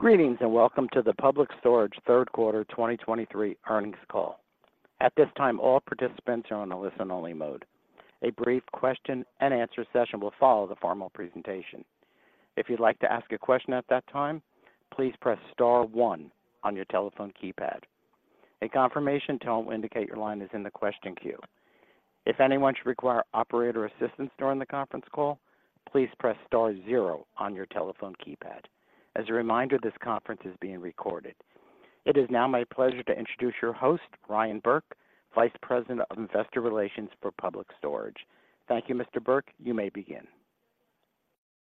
Greetings, and welcome to the Public Storage third quarter 2023 earnings call. At this time, all participants are on a listen-only mode. A brief question-and-answer session will follow the formal presentation. If you'd like to ask a question at that time, please press star one on your telephone keypad. A confirmation tone will indicate your line is in the question queue. If anyone should require operator assistance during the conference call, please press star zero on your telephone keypad. As a reminder, this conference is being recorded. It is now my pleasure to introduce your host, Ryan Burke, Vice President of Investor Relations for Public Storage. Thank you, Mr. Burke. You may begin.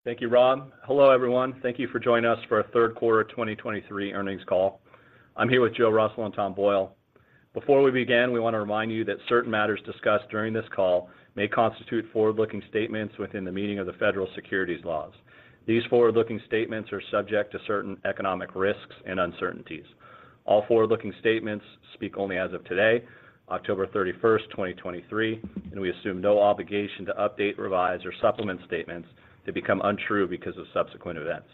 Thank you, Rob. Hello, everyone. Thank you for joining us for our third quarter 2023 earnings call. I'm here with Joe Russell and Tom Boyle. Before we begin, we want to remind you that certain matters discussed during this call may constitute forward-looking statements within the meaning of the federal securities laws. These forward-looking statements are subject to certain economic risks and uncertainties. All forward-looking statements speak only as of today, October 31st, 2023, and we assume no obligation to update, revise, or supplement statements that become untrue because of subsequent events.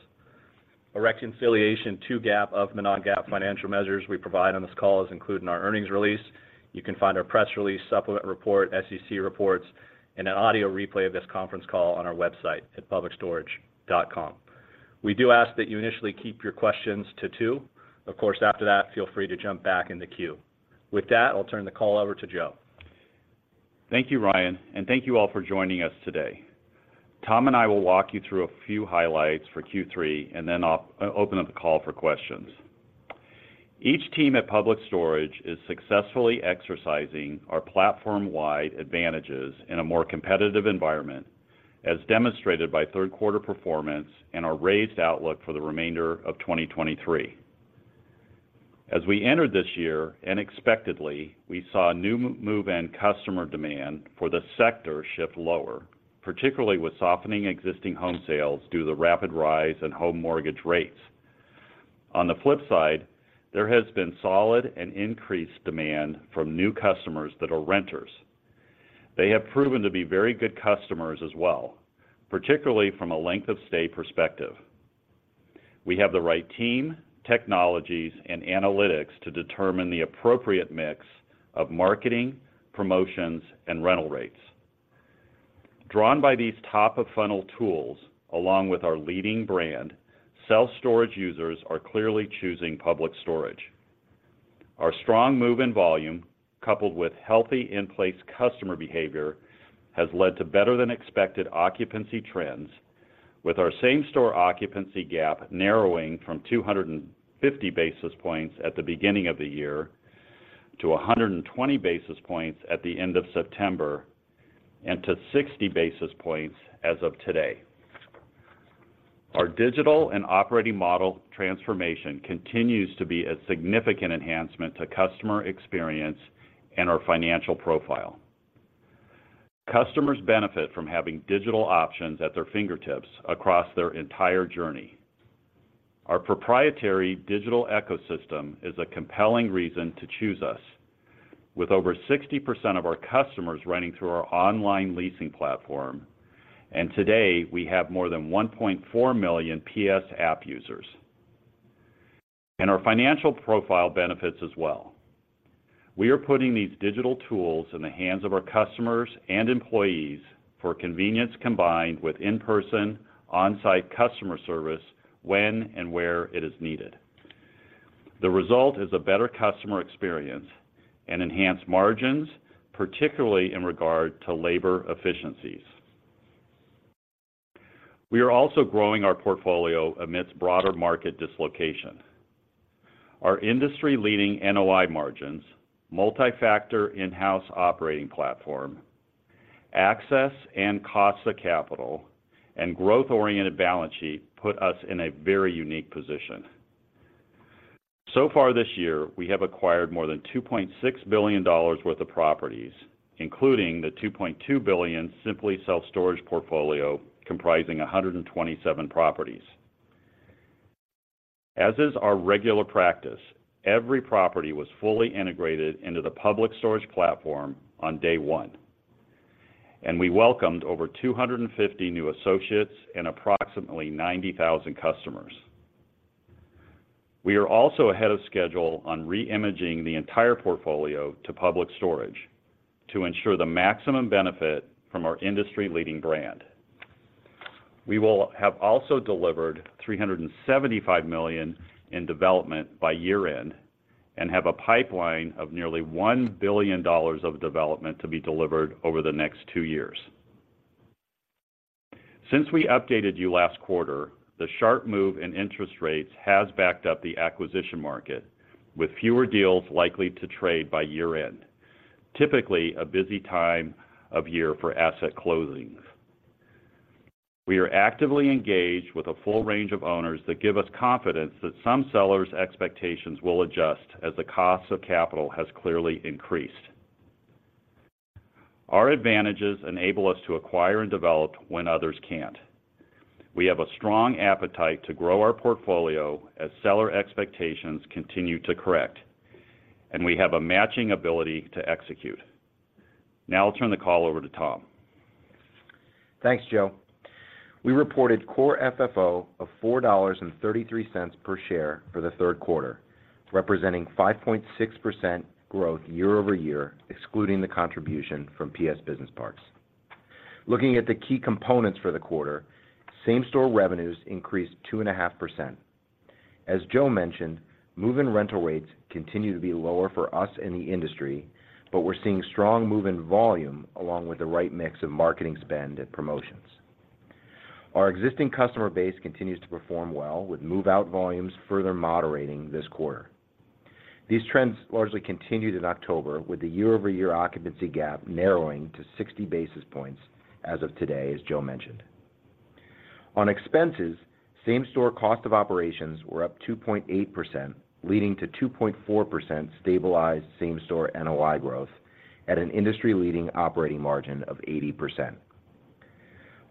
A reconciliation to GAAP of the non-GAAP financial measures we provide on this call is included in our earnings release. You can find our press release, supplement report, SEC reports, and an audio replay of this conference call on our website at publicstorage.com. We do ask that you initially keep your questions to two. Of course, after that, feel free to jump back in the queue. With that, I'll turn the call over to Joe. Thank you, Ryan, and thank you all for joining us today. Tom and I will walk you through a few highlights for Q3, and then I'll open up the call for questions. Each team at Public Storage is successfully exercising our platform-wide advantages in a more competitive environment, as demonstrated by third quarter performance and our raised outlook for the remainder of 2023. As we entered this year, unexpectedly, we saw a new move-in customer demand for the sector shift lower, particularly with softening existing home sales due to the rapid rise in home mortgage rates. On the flip side, there has been solid and increased demand from new customers that are renters. They have proven to be very good customers as well, particularly from a length of stay perspective. We have the right team, technologies, and analytics to determine the appropriate mix of marketing, promotions, and rental rates. Drawn by these top-of-funnel tools, along with our leading brand, self-storage users are clearly choosing Public Storage. Our strong move-in volume, coupled with healthy in-place customer behavior, has led to better-than-expected occupancy trends, with our same-store occupancy gap narrowing from 250 basis points at the beginning of the year to 120 basis points at the end of September, and to 60 basis points as of today. Our digital and operating model transformation continues to be a significant enhancement to customer experience and our financial profile. Customers benefit from having digital options at their fingertips across their entire journey. Our proprietary digital ecosystem is a compelling reason to choose us, with over 60% of our customers running through our online leasing platform, and today, we have more than 1.4 million PS app users. Our financial profile benefits as well. We are putting these digital tools in the hands of our customers and employees for convenience, combined with in-person, on-site customer service when and where it is needed. The result is a better customer experience and enhanced margins, particularly in regard to labor efficiencies. We are also growing our portfolio amidst broader market dislocation. Our industry-leading NOI margins, multifactor in-house operating platform, access and cost of capital, and growth-oriented balance sheet put us in a very unique position. So far this year, we have acquired more than $2.6 billion worth of properties, including the $2.2 billion Simply Self Storage portfolio, comprising 127 properties. As is our regular practice, every property was fully integrated into the Public Storage platform on day one, and we welcomed over 250 new associates and approximately 90,000 customers. We are also ahead of schedule on re-imaging the entire portfolio to Public Storage to ensure the maximum benefit from our industry-leading brand. We will have also delivered $375 million in development by year-end and have a pipeline of nearly $1 billion of development to be delivered over the next two years. Since we updated you last quarter, the sharp move in interest rates has backed up the acquisition market, with fewer deals likely to trade by year-end, typically a busy time of year for asset closings. We are actively engaged with a full range of owners that give us confidence that some sellers' expectations will adjust as the cost of capital has clearly increased. Our advantages enable us to acquire and develop when others can't. We have a strong appetite to grow our portfolio as seller expectations continue to correct, and we have a matching ability to execute. Now I'll turn the call over to Tom. Thanks, Joe. We reported Core FFO of $4.33 per share for the third quarter, representing 5.6% growth year-over-year, excluding the contribution from PS Business Parks. Looking at the key components for the quarter, same-store revenues increased 2.5%. As Joe mentioned, move-in rental rates continue to be lower for us in the industry, but we're seeing strong move-in volume along with the right mix of marketing spend and promotions. Our existing customer base continues to perform well, with move-out volumes further moderating this quarter. These trends largely continued in October, with the year-over-year occupancy gap narrowing to 60 basis points as of today, as Joe mentioned. On expenses, same-store cost of operations were up 2.8%, leading to 2.4% stabilized same-store NOI growth at an industry-leading operating margin of 80%.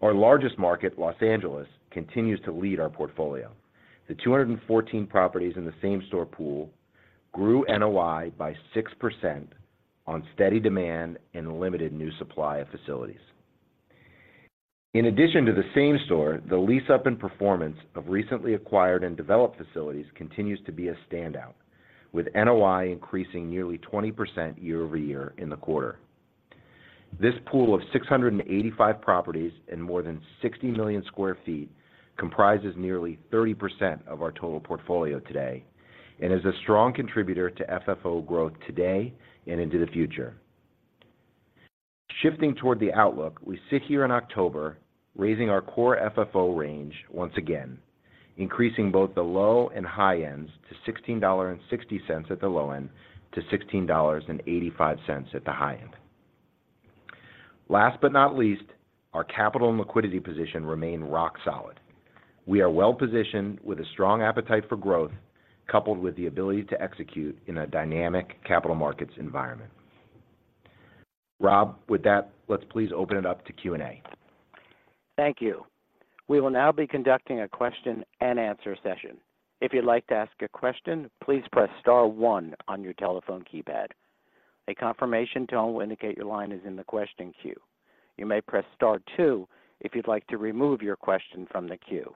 Our largest market, Los Angeles, continues to lead our portfolio. The 214 properties in the same-store pool grew NOI by 6% on steady demand and limited new supply of facilities. In addition to the same-store, the lease-up and performance of recently acquired and developed facilities continues to be a standout, with NOI increasing nearly 20% year-over-year in the quarter. This pool of 685 properties in more than 60 million sq ft comprises nearly 30% of our total portfolio today and is a strong contributor to FFO growth today and into the future. Shifting toward the outlook, we sit here in October, raising our core FFO range once again, increasing both the low and high ends to $16.60 at the low end $16.85 at the high end. Last but not least, our capital and liquidity position remain rock solid. We are well positioned with a strong appetite for growth, coupled with the ability to execute in a dynamic capital markets environment. Rob, with that, let's please open it up to Q&A. Thank you. We will now be conducting a question and answer session. If you'd like to ask a question, please press star one on your telephone keypad. A confirmation tone will indicate your line is in the question queue. You may press star two if you'd like to remove your question from the queue.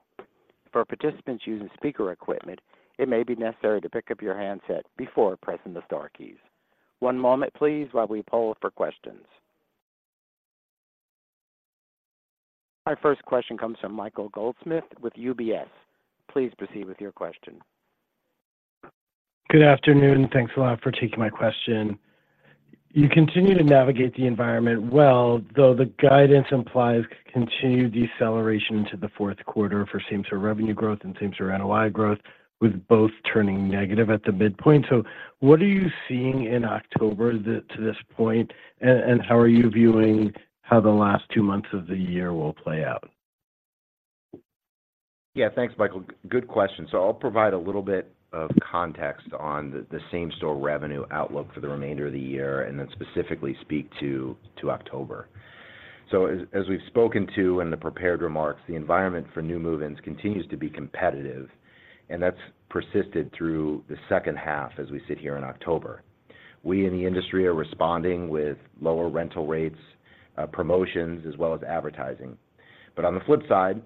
For participants using speaker equipment, it may be necessary to pick up your handset before pressing the star keys. One moment, please, while we poll for questions. My first question comes from Michael Goldsmith with UBS. Please proceed with your question. Good afternoon. Thanks a lot for taking my question. You continue to navigate the environment well, though the guidance implies continued deceleration into the fourth quarter for same-store revenue growth and same-store NOI growth, with both turning negative at the midpoint. So what are you seeing in October that, to this point, and, and how are you viewing how the last two months of the year will play out? Yeah, thanks, Michael. Good question. So I'll provide a little bit of context on the same-store revenue outlook for the remainder of the year, and then specifically speak to October. So as we've spoken to in the prepared remarks, the environment for new move-ins continues to be competitive, and that's persisted through the second half as we sit here in October. We in the industry are responding with lower rental rates, promotions, as well as advertising. But on the flip side,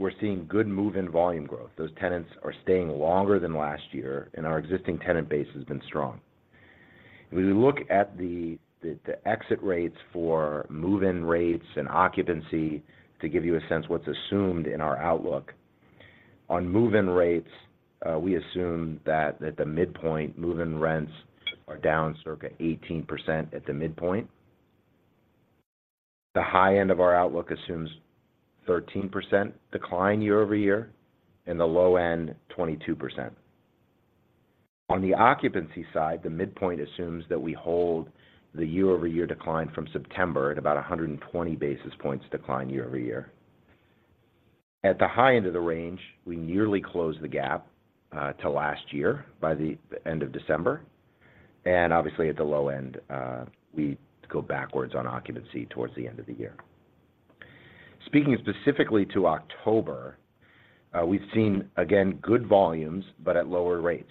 we're seeing good move-in volume growth. Those tenants are staying longer than last year, and our existing tenant base has been strong. When we look at the exit rates for move-in rates and occupancy, to give you a sense what's assumed in our outlook, on move-in rates, we assume that at the midpoint, move-in rents are down circa 18% at the midpoint. The high end of our outlook assumes 13% decline year-over-year, and the low end, 22%. On the occupancy side, the midpoint assumes that we hold the year-over-year decline from September at about 120 basis points decline year-over-year. At the high end of the range, we nearly close the gap to last year by the end of December, and obviously, at the low end, we go backwards on occupancy towards the end of the year. Speaking specifically to October, we've seen again, good volumes, but at lower rates.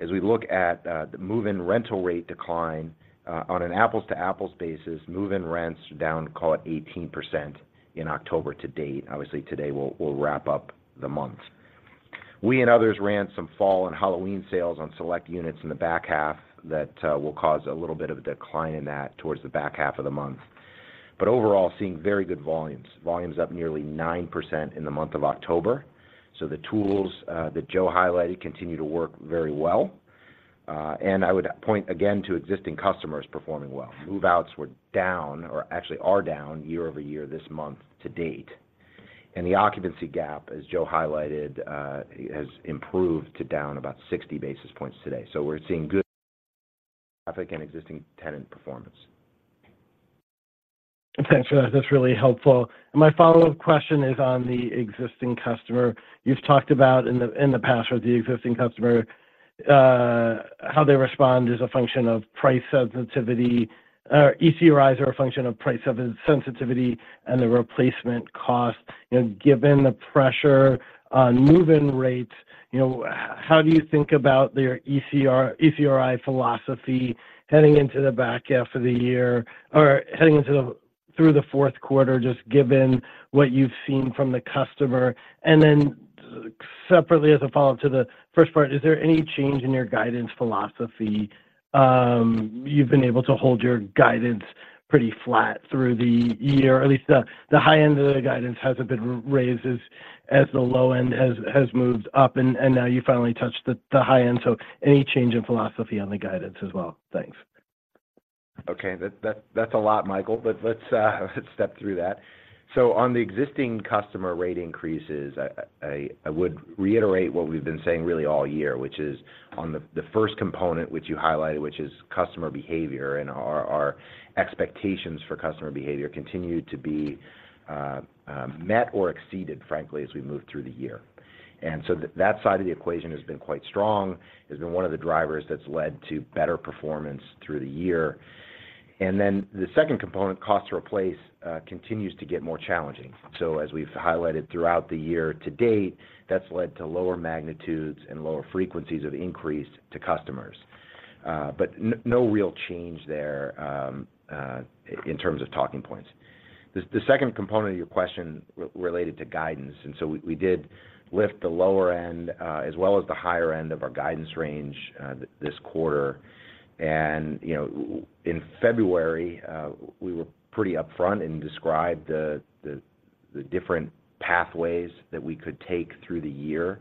As we look at the move-in rental rate decline, on an apples-to-apples basis, move-in rents are down, call it 18% in October to date. Obviously, today, we'll wrap up the month. We and others ran some fall and Halloween sales on select units in the back half that will cause a little bit of a decline in that towards the back half of the month. But overall, seeing very good volumes. Volumes up nearly 9% in the month of October. So the tools that Joe highlighted continue to work very well. And I would point again to existing customers performing well. Move-outs were down or actually are down year-over-year this month to date. And the occupancy gap, as Joe highlighted, has improved to down about 60 basis points today. So we're seeing good traffic and existing tenant performance. Thanks for that. That's really helpful. My follow-up question is on the existing customer. You've talked about in the, in the past with the existing customer, how they respond is a function of price sensitivity, or ECRI is a function of price sensitivity and the replacement cost. You know, given the pressure on move-in rates, you know, how do you think about your ECRI philosophy heading into the back half of the year or heading into the through the fourth quarter, just given what you've seen from the customer? And then... separately, as a follow-up to the first part, is there any change in your guidance philosophy? You've been able to hold your guidance pretty flat through the year, or at least the high end of the guidance hasn't been raised as the low end has moved up, and now you finally touched the high end. So any change in philosophy on the guidance as well? Thanks. Okay, that's a lot, Michael, but let's step through that. So on the existing customer rate increases, I would reiterate what we've been saying really all year, which is on the first component, which you highlighted, which is customer behavior, and our expectations for customer behavior continued to be met or exceeded, frankly, as we moved through the year. And so that side of the equation has been quite strong. It's been one of the drivers that's led to better performance through the year. And then the second component, cost to replace, continues to get more challenging. So as we've highlighted throughout the year to date, that's led to lower magnitudes and lower frequencies of increase to customers. But no real change there in terms of talking points. The second component of your question related to guidance, and so we did lift the lower end, as well as the higher end of our guidance range, this quarter. And, you know, in February, we were pretty upfront and described the different pathways that we could take through the year.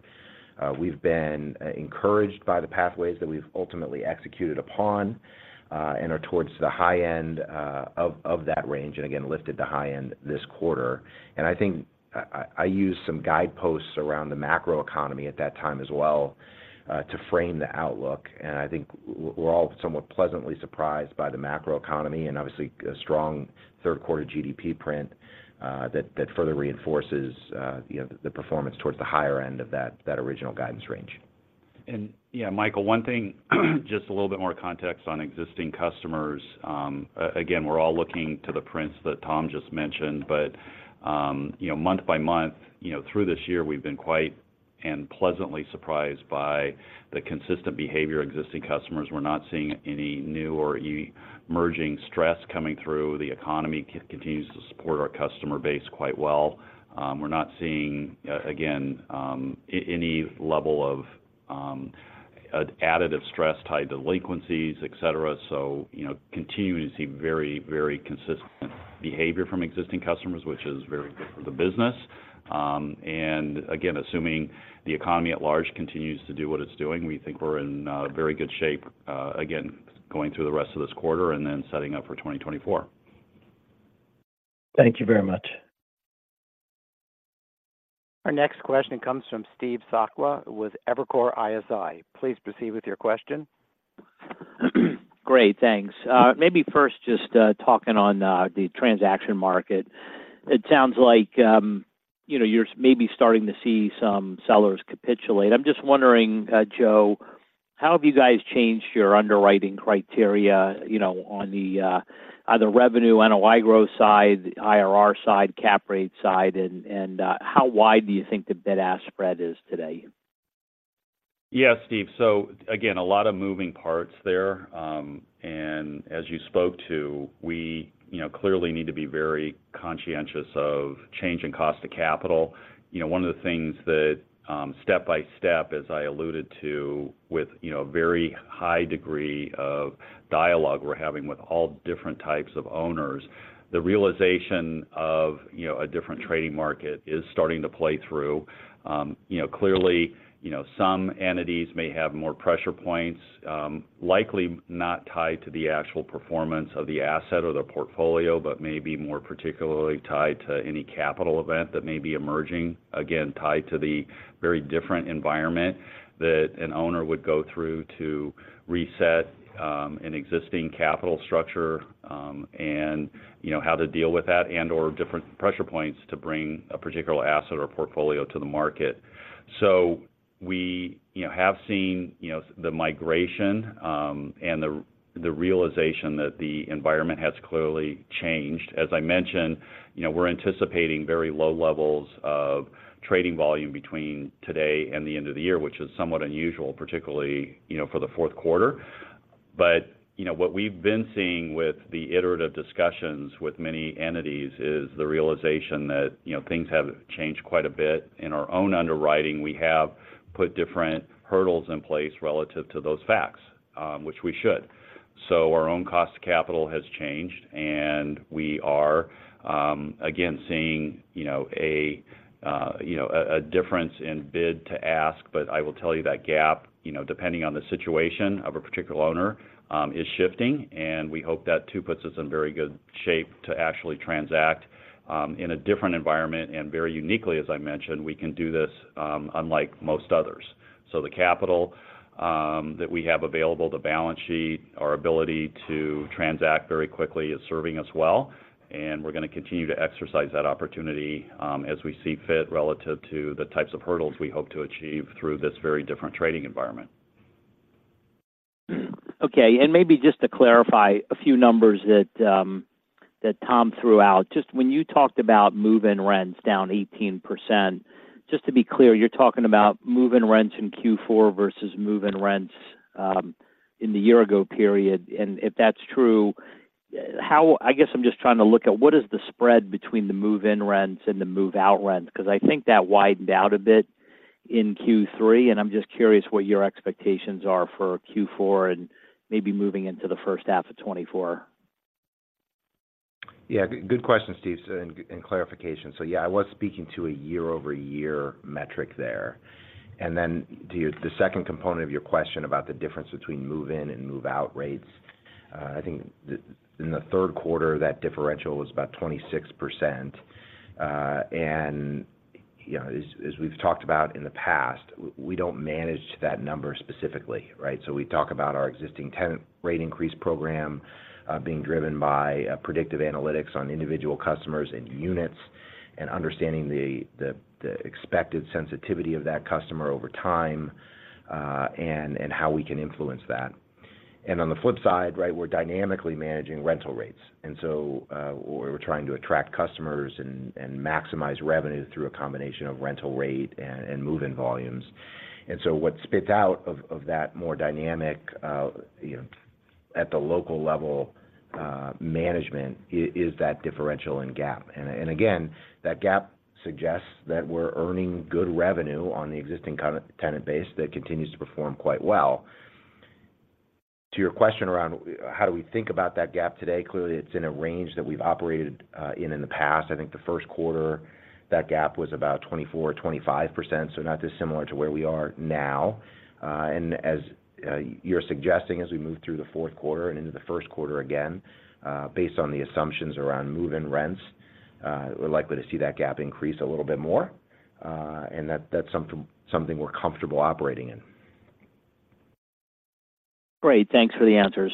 We've been encouraged by the pathways that we've ultimately executed upon, and are towards the high end of that range, and again, lifted the high end this quarter. And I think I used some guideposts around the macroeconomy at that time as well, to frame the outlook. I think we're all somewhat pleasantly surprised by the macroeconomy and obviously a strong third quarter GDP print, that, that further reinforces, you know, the performance towards the higher end of that, that original guidance range. And yeah, Michael, one thing, just a little bit more context on existing customers. Again, we're all looking to the prints that Tom just mentioned, but you know, month by month, you know, through this year, we've been quite and pleasantly surprised by the consistent behavior of existing customers. We're not seeing any new or emerging stress coming through. The economy continues to support our customer base quite well. We're not seeing, again, any level of additive stress, high delinquencies, et cetera. So, you know, continuing to see very, very consistent behavior from existing customers, which is very good for the business. And again, assuming the economy at large continues to do what it's doing, we think we're in very good shape, again, going through the rest of this quarter and then setting up for 2024. Thank you very much. Our next question comes from Steve Sakwa with Evercore ISI. Please proceed with your question. Great, thanks. Maybe first, just talking on the transaction market. It sounds like, you know, you're maybe starting to see some sellers capitulate. I'm just wondering, Joe, how have you guys changed your underwriting criteria, you know, on the either revenue, NOI growth side, IRR side, cap rate side, and, and how wide do you think the bid-ask spread is today? Yeah, Steve. So again, a lot of moving parts there. And as you spoke to, we, you know, clearly need to be very conscious of changing cost of capital. You know, one of the things that, step-by-step, as I alluded to, with, you know, a very high degree of dialogue we're having with all different types of owners, the realization of, you know, a different trading market is starting to play through. You know, clearly, you know, some entities may have more pressure points, likely not tied to the actual performance of the asset or the portfolio, but maybe more particularly tied to any capital event that may be emerging, again, tied to the very different environment that an owner would go through to reset, an existing capital structure, and you know, how to deal with that and/or different pressure points to bring a particular asset or portfolio to the market. So we, you know, have seen, you know, the migration, and the realization that the environment has clearly changed. As I mentioned, you know, we're anticipating very low levels of trading volume between today and the end of the year, which is somewhat unusual, particularly, you know, for the fourth quarter. But, you know, what we've been seeing with the iterative discussions with many entities is the realization that, you know, things have changed quite a bit. In our own underwriting, we have put different hurdles in place relative to those facts, which we should. So our own cost to capital has changed, and we are, again, seeing, you know, a difference in bid to ask. But I will tell you that gap, you know, depending on the situation of a particular owner, is shifting, and we hope that too puts us in very good shape to actually transact, in a different environment. And very uniquely, as I mentioned, we can do this, unlike most others. So the capital, that we have available, the balance sheet, our ability to transact very quickly is serving us well, and we're going to continue to exercise that opportunity, as we see fit, relative to the types of hurdles we hope to achieve through this very different trading environment. Okay, and maybe just to clarify a few numbers that Tom threw out. Just when you talked about move-in rents down 18%, just to be clear, you're talking about move-in rents in Q4 versus move-in rents in the year-ago period. And if that's true, yeah, I guess I'm just trying to look at what is the spread between the move-in rents and the move-out rents? Because I think that widened out a bit in Q3, and I'm just curious what your expectations are for Q4 and maybe moving into the first half of 2024. Yeah, good question, Steve, so, and clarification. So yeah, I was speaking to a year-over-year metric there. And then to the second component of your question about the difference between move-in and move-out rates, I think in the third quarter, that differential was about 26%. And, you know, as we've talked about in the past, we don't manage to that number specifically, right? So we talk about our existing tenant rate increase program being driven by predictive analytics on individual customers and units, and understanding the expected sensitivity of that customer over time, and how we can influence that. And on the flip side, right, we're dynamically managing rental rates. And so, we're trying to attract customers and maximize revenue through a combination of rental rate and move-in volumes. And so what spits out of that more dynamic, you know, at the local level, management, is that differential in gap. And again, that gap suggests that we're earning good revenue on the existing customer-tenant base that continues to perform quite well. To your question around how do we think about that gap today? Clearly, it's in a range that we've operated in in the past. I think the first quarter, that gap was about 24% or 25%, so not dissimilar to where we are now. And as you're suggesting, as we move through the fourth quarter and into the first quarter again, based on the assumptions around move-in rents, we're likely to see that gap increase a little bit more, and that's something we're comfortable operating in. Great. Thanks for the answers.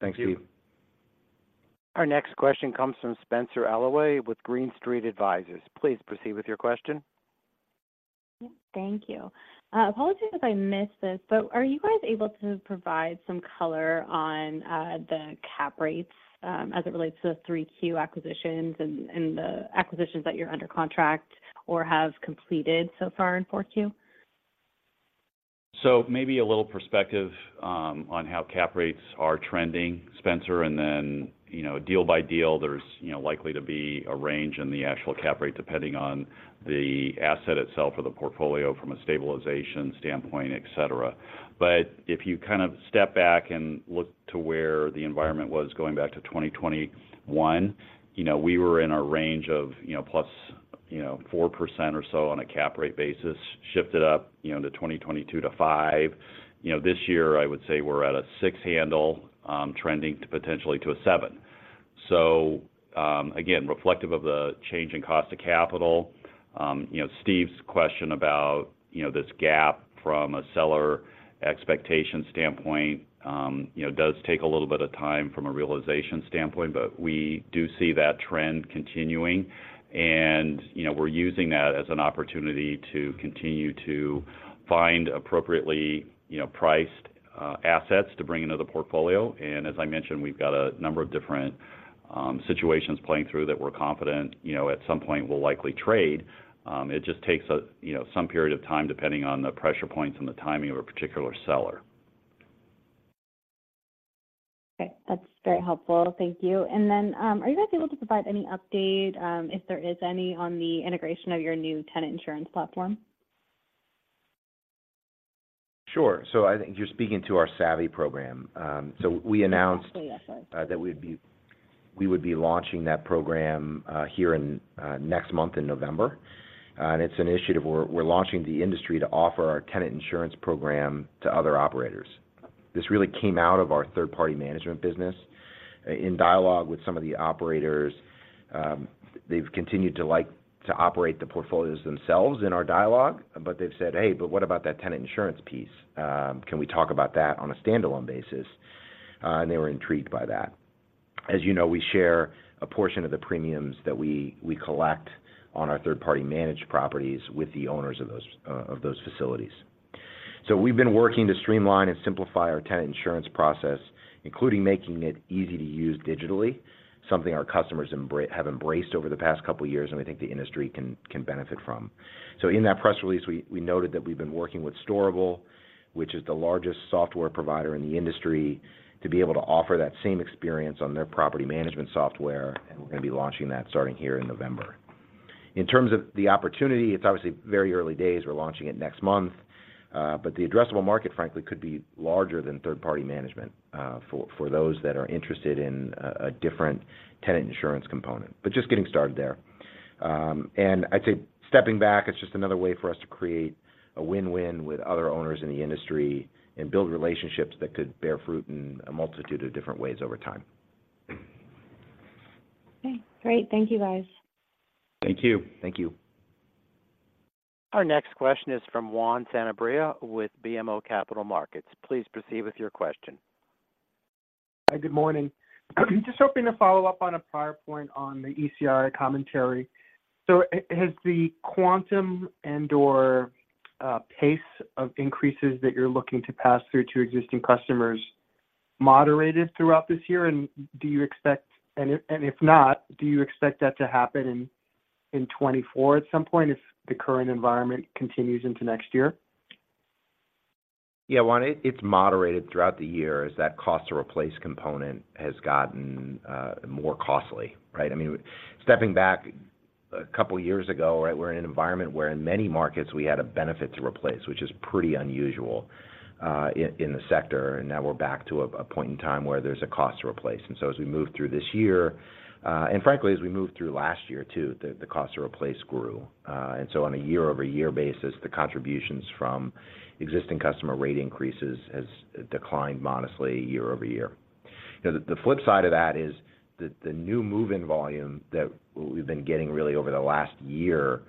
Thanks, Steve. Our next question comes from Spenser Allaway with Green Street Advisors. Please proceed with your question. Thank you. Apologies if I missed this, but are you guys able to provide some color on the cap rates as it relates to the 3Q acquisitions and the acquisitions that you're under contract or have completed so far in 4Q? So maybe a little perspective on how cap rates are trending, Spenser, and then, you know, deal by deal, there's, you know, likely to be a range in the actual cap rate, depending on the asset itself or the portfolio from a stabilization standpoint, et cetera. But if you kind of step back and look to where the environment was going back to 2021, you know, we were in a range of, you know, +4% or so on a cap rate basis, shifted up, you know, to 2022 to 5%. You know, this year, I would say we're at a 6% handle, trending potentially to a 7%. So, again, reflective of the change in cost of capital, you know, Steve's question about, you know, this gap from a seller expectation standpoint, you know, does take a little bit of time from a realization standpoint, but we do see that trend continuing. And, you know, we're using that as an opportunity to continue to find appropriately, you know, priced assets to bring into the portfolio. And as I mentioned, we've got a number of different situations playing through that we're confident, you know, at some point will likely trade. It just takes us, you know, some period of time, depending on the pressure points and the timing of a particular seller. Okay. That's very helpful. Thank you. And then, are you guys able to provide any update, if there is any, on the integration of your new tenant insurance platform? Sure. So I think you're speaking to our Savvy program. So we announced- Yes, sir. That we'd be, we would be launching that program here in next month in November. And it's an initiative where we're launching the industry to offer our tenant insurance program to other operators. This really came out of our third-party management business. In dialogue with some of the operators, they've continued to like to operate the portfolios themselves in our dialogue, but they've said, "Hey, but what about that tenant insurance piece? Can we talk about that on a standalone basis?" and they were intrigued by that. As you know, we share a portion of the premiums that we collect on our third-party managed properties with the owners of those facilities. So we've been working to streamline and simplify our tenant insurance process, including making it easy to use digitally, something our customers have embraced over the past couple of years, and we think the industry can benefit from. So in that press release, we noted that we've been working with Storable, which is the largest software provider in the industry, to be able to offer that same experience on their property management software, and we're going to be launching that starting here in November. In terms of the opportunity, it's obviously very early days. We're launching it next month, but the addressable market, frankly, could be larger than third-party management, for those that are interested in a different tenant insurance component, but just getting started there. I'd say stepping back, it's just another way for us to create a win-win with other owners in the industry and build relationships that could bear fruit in a multitude of different ways over time. Okay, great. Thank you, guys. Thank you. Thank you. Our next question is from Juan Sanabria with BMO Capital Markets. Please proceed with your question. Hi, good morning. Just hoping to follow up on a prior point on the ECRI commentary. So has the quantum and/or pace of increases that you're looking to pass through to existing customers moderated throughout this year? And do you expect? And if not, do you expect that to happen in 2024 at some point, if the current environment continues into next year? Yeah, Juan, it's moderated throughout the year as that cost to replace component has gotten more costly, right? I mean, stepping back a couple of years ago, right, we're in an environment where in many markets, we had a benefit to replace, which is pretty unusual in the sector. And now we're back to a point in time where there's a cost to replace. And so as we move through this year and frankly, as we moved through last year, too, the cost to replace grew. And so on a year-over-year basis, the contributions from existing customer rate increases has declined modestly year over year. Now, the flip side of that is the new move-in volume that we've been getting really over the last year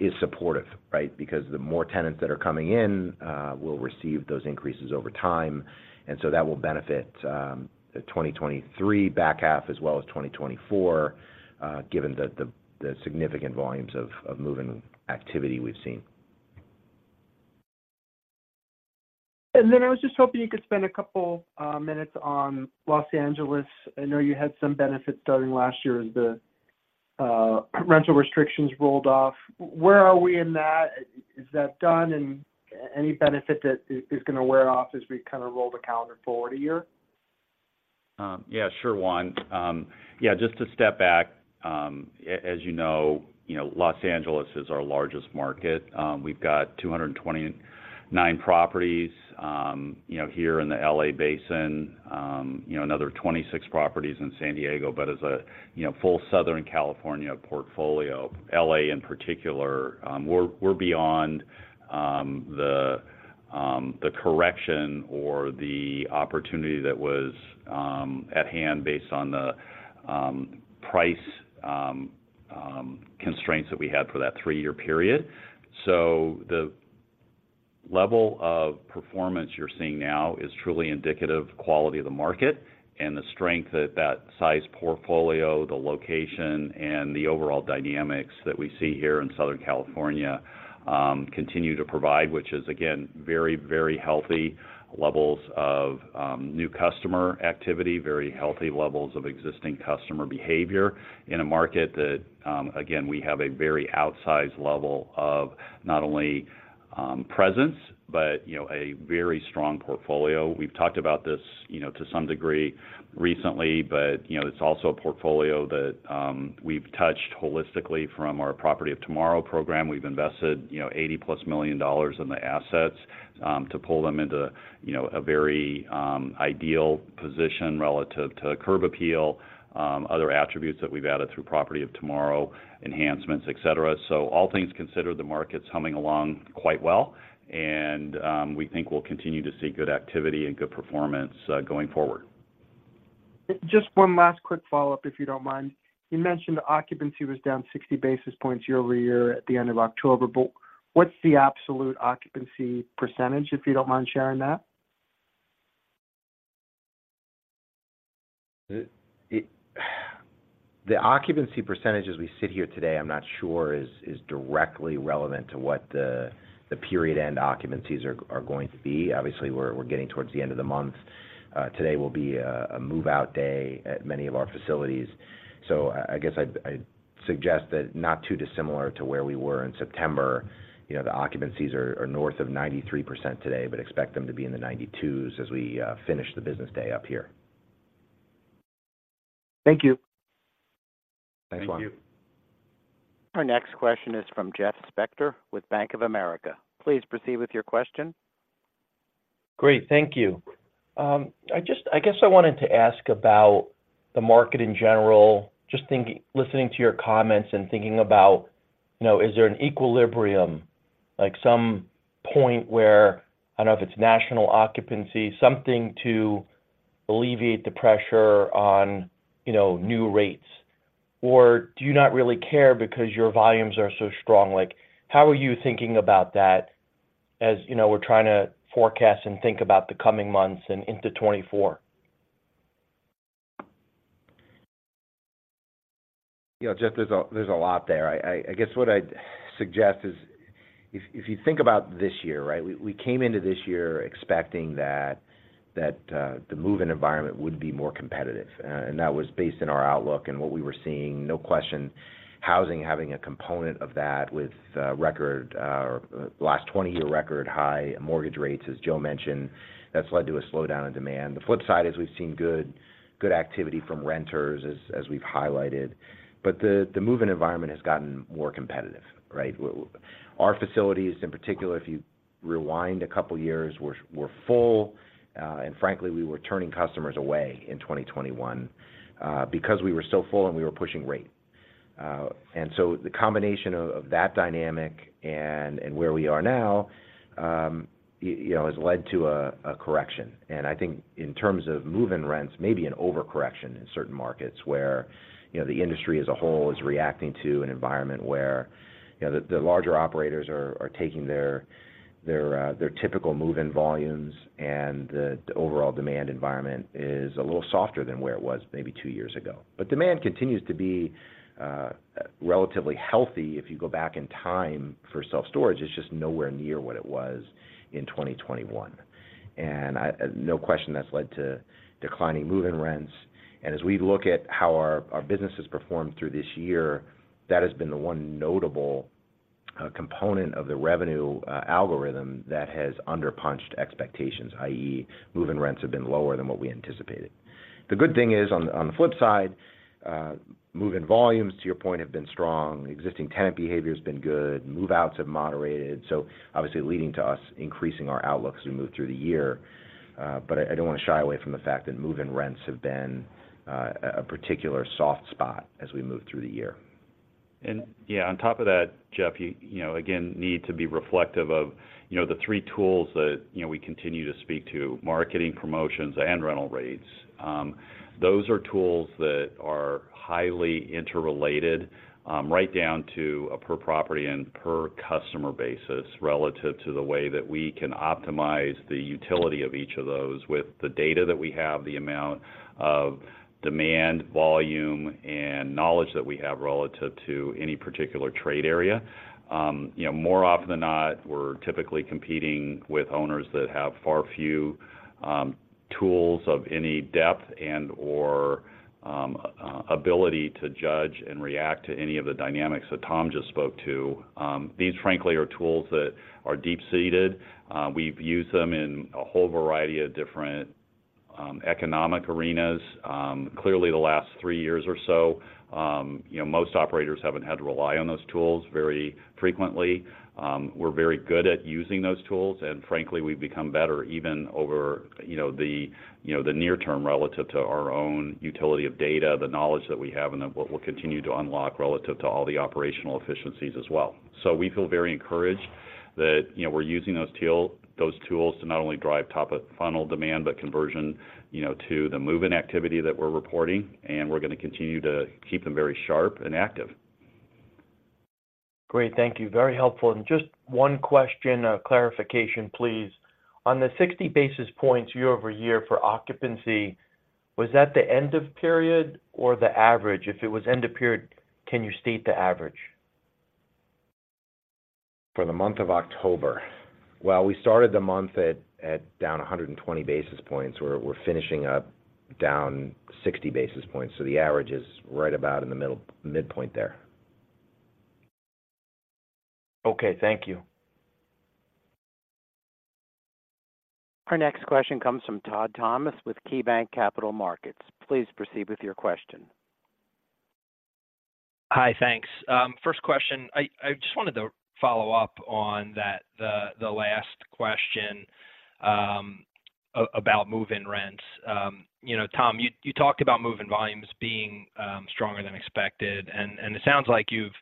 is supportive, right? Because the more tenants that are coming in will receive those increases over time, and so that will benefit the 2023 back half as well as 2024, given the significant volumes of move-in activity we've seen. And then I was just hoping you could spend a couple minutes on Los Angeles. I know you had some benefits starting last year as the rental restrictions rolled off. Where are we in that? Is that done? And any benefit that is gonna wear off as we kind of roll the calendar forward a year? Yeah, sure, Juan. Yeah, just to step back, as you know, you know, Los Angeles is our largest market. We've got 229 properties, you know, here in the L.A. Basin, you know, another 26 properties in San Diego. But as a, you know, full Southern California portfolio, L.A. in particular, we're beyond the correction or the opportunity that was at hand based on the price constraints that we had for that three-year period. So the level of performance you're seeing now is truly indicative of the quality of the market and the strength that that size portfolio, the location, and the overall dynamics that we see here in Southern California continue to provide, which is, again, very, very healthy levels of new customer activity, very healthy levels of existing customer behavior in a market that, again, we have a very outsized level of not only presence, but, you know, a very strong portfolio. We've talked about this, you know, to some degree recently, but, you know, it's also a portfolio that we've touched holistically from our Property of Tomorrow program. We've invested, you know, $80+ million in the assets, to pull them into, you know, a very, ideal position relative to curb appeal, other attributes that we've added through Property of Tomorrow, enhancements, et cetera. So all things considered, the market's humming along quite well, and, we think we'll continue to see good activity and good performance, going forward. Just one last quick follow-up, if you don't mind. You mentioned occupancy was down 60 basis points year-over-year at the end of October, but what's the absolute occupancy percentage, if you don't mind sharing that? The occupancy percentage as we sit here today, I'm not sure, is directly relevant to what the period-end occupancies are going to be. Obviously, we're getting towards the end of the month. Today will be a move-out day at many of our facilities. So I guess I'd suggest that not too dissimilar to where we were in September, you know, the occupancies are north of 93% today, but expect them to be in the 92s as we finish the business day up here. Thank you. Thanks, Juan. Thank you. Our next question is from Jeff Spector with Bank of America. Please proceed with your question. Great, thank you. I just, I guess I wanted to ask about the market in general, just thinking, listening to your comments and thinking about, you know, is there an equilibrium, like some point where, I don't know if it's national occupancy, something to alleviate the pressure on, you know, new rates? Or do you not really care because your volumes are so strong? Like, how are you thinking about that as, you know, we're trying to forecast and think about the coming months and into 2024? You know, Jeff, there's a lot there. I guess what I'd suggest is, if you think about this year, right? We came into this year expecting that the move-in environment would be more competitive, and that was based on our outlook and what we were seeing. No question, housing having a component of that with record last 20-year record-high mortgage rates, as Joe mentioned, that's led to a slowdown in demand. The flip side is we've seen good activity from renters, as we've highlighted, but the move-in environment has gotten more competitive, right? Our facilities, in particular, if you rewind a couple of years, were full, and frankly, we were turning customers away in 2021, because we were so full, and we were pushing rate. And so the combination of that dynamic and where we are now, you know, has led to a correction. And I think in terms of move-in rents, maybe an overcorrection in certain markets where, you know, the industry as a whole is reacting to an environment where, you know, the larger operators are taking their typical move-in volumes, and the overall demand environment is a little softer than where it was maybe two years ago. But demand continues to be relatively healthy. If you go back in time for self-storage, it's just nowhere near what it was in 2021. And no question, that's led to declining move-in rents. And as we look at how our business has performed through this year, that has been the one notable component of the revenue algorithm that has underpunched expectations, i.e., move-in rents have been lower than what we anticipated. The good thing is, on the flip side, move-in volumes, to your point, have been strong, existing tenant behavior's been good, move-outs have moderated, so obviously leading to us increasing our outlook as we move through the year. But I, I don't wanna shy away from the fact that move-in rents have been a particular soft spot as we move through the year. And yeah, on top of that, Jeff, you know, again, need to be reflective of, you know, the three tools that, you know, we continue to speak to: marketing, promotions, and rental rates. Those are tools that are highly interrelated, right down to a per property and per customer basis, relative to the way that we can optimize the utility of each of those with the data that we have, the amount of demand, volume, and knowledge that we have relative to any particular trade area. You know, more often than not, we're typically competing with owners that have far few tools of any depth and/or ability to judge and react to any of the dynamics that Tom just spoke to. These, frankly, are tools that are deep-seated. We've used them in a whole variety of different economic arenas. Clearly, the last three years or so, you know, most operators haven't had to rely on those tools very frequently. We're very good at using those tools, and frankly, we've become better even over, you know, the, you know, the near term relative to our own utility of data, the knowledge that we have, and then what we'll continue to unlock relative to all the operational efficiencies as well. So we feel very encouraged that, you know, we're using those tools to not only drive top-of-funnel demand, but conversion, you know, to the move-in activity that we're reporting, and we're gonna continue to keep them very sharp and active. Great. Thank you. Very helpful. And just one question, clarification, please. On the 60 basis points year-over-year for occupancy, was that the end of period or the average? If it was end of period, can you state the average? For the month of October. Well, we started the month at down 120 basis points, where we're finishing up down 60 basis points, so the average is right about in the middle, midpoint there. Okay, thank you. Our next question comes from Todd Thomas with KeyBanc Capital Markets. Please proceed with your question. Hi, thanks. First question, I just wanted to follow up on that, the last question, about move-in rents. You know, Tom, you talked about move-in volumes being stronger than expected, and it sounds like you've,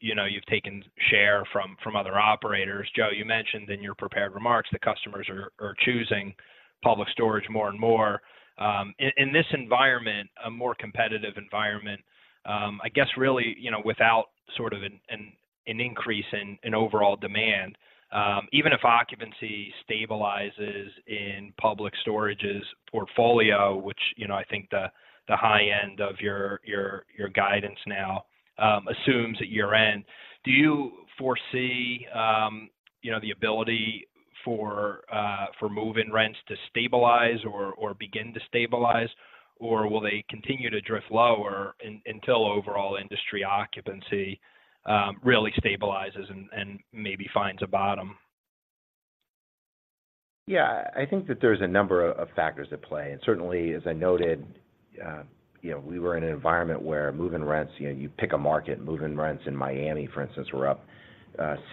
you know, you've taken share from other operators. Joe, you mentioned in your prepared remarks that customers are choosing Public Storage more and more. In this environment, a more competitive environment, I guess, really, you know, without sort of an increase in overall demand, even if occupancy stabilizes in Public Storage's portfolio, which, you know, I think the high end of your guidance now assumes at year-end, do you foresee, you know, the ability for move-in rents to stabilize or begin to stabilize, or will they continue to drift lower until overall industry occupancy really stabilizes and maybe finds a bottom? Yeah, I think that there's a number of factors at play, and certainly, as I noted, you know, we were in an environment where move-in rents, you know, you pick a market, move-in rents in Miami, for instance, were up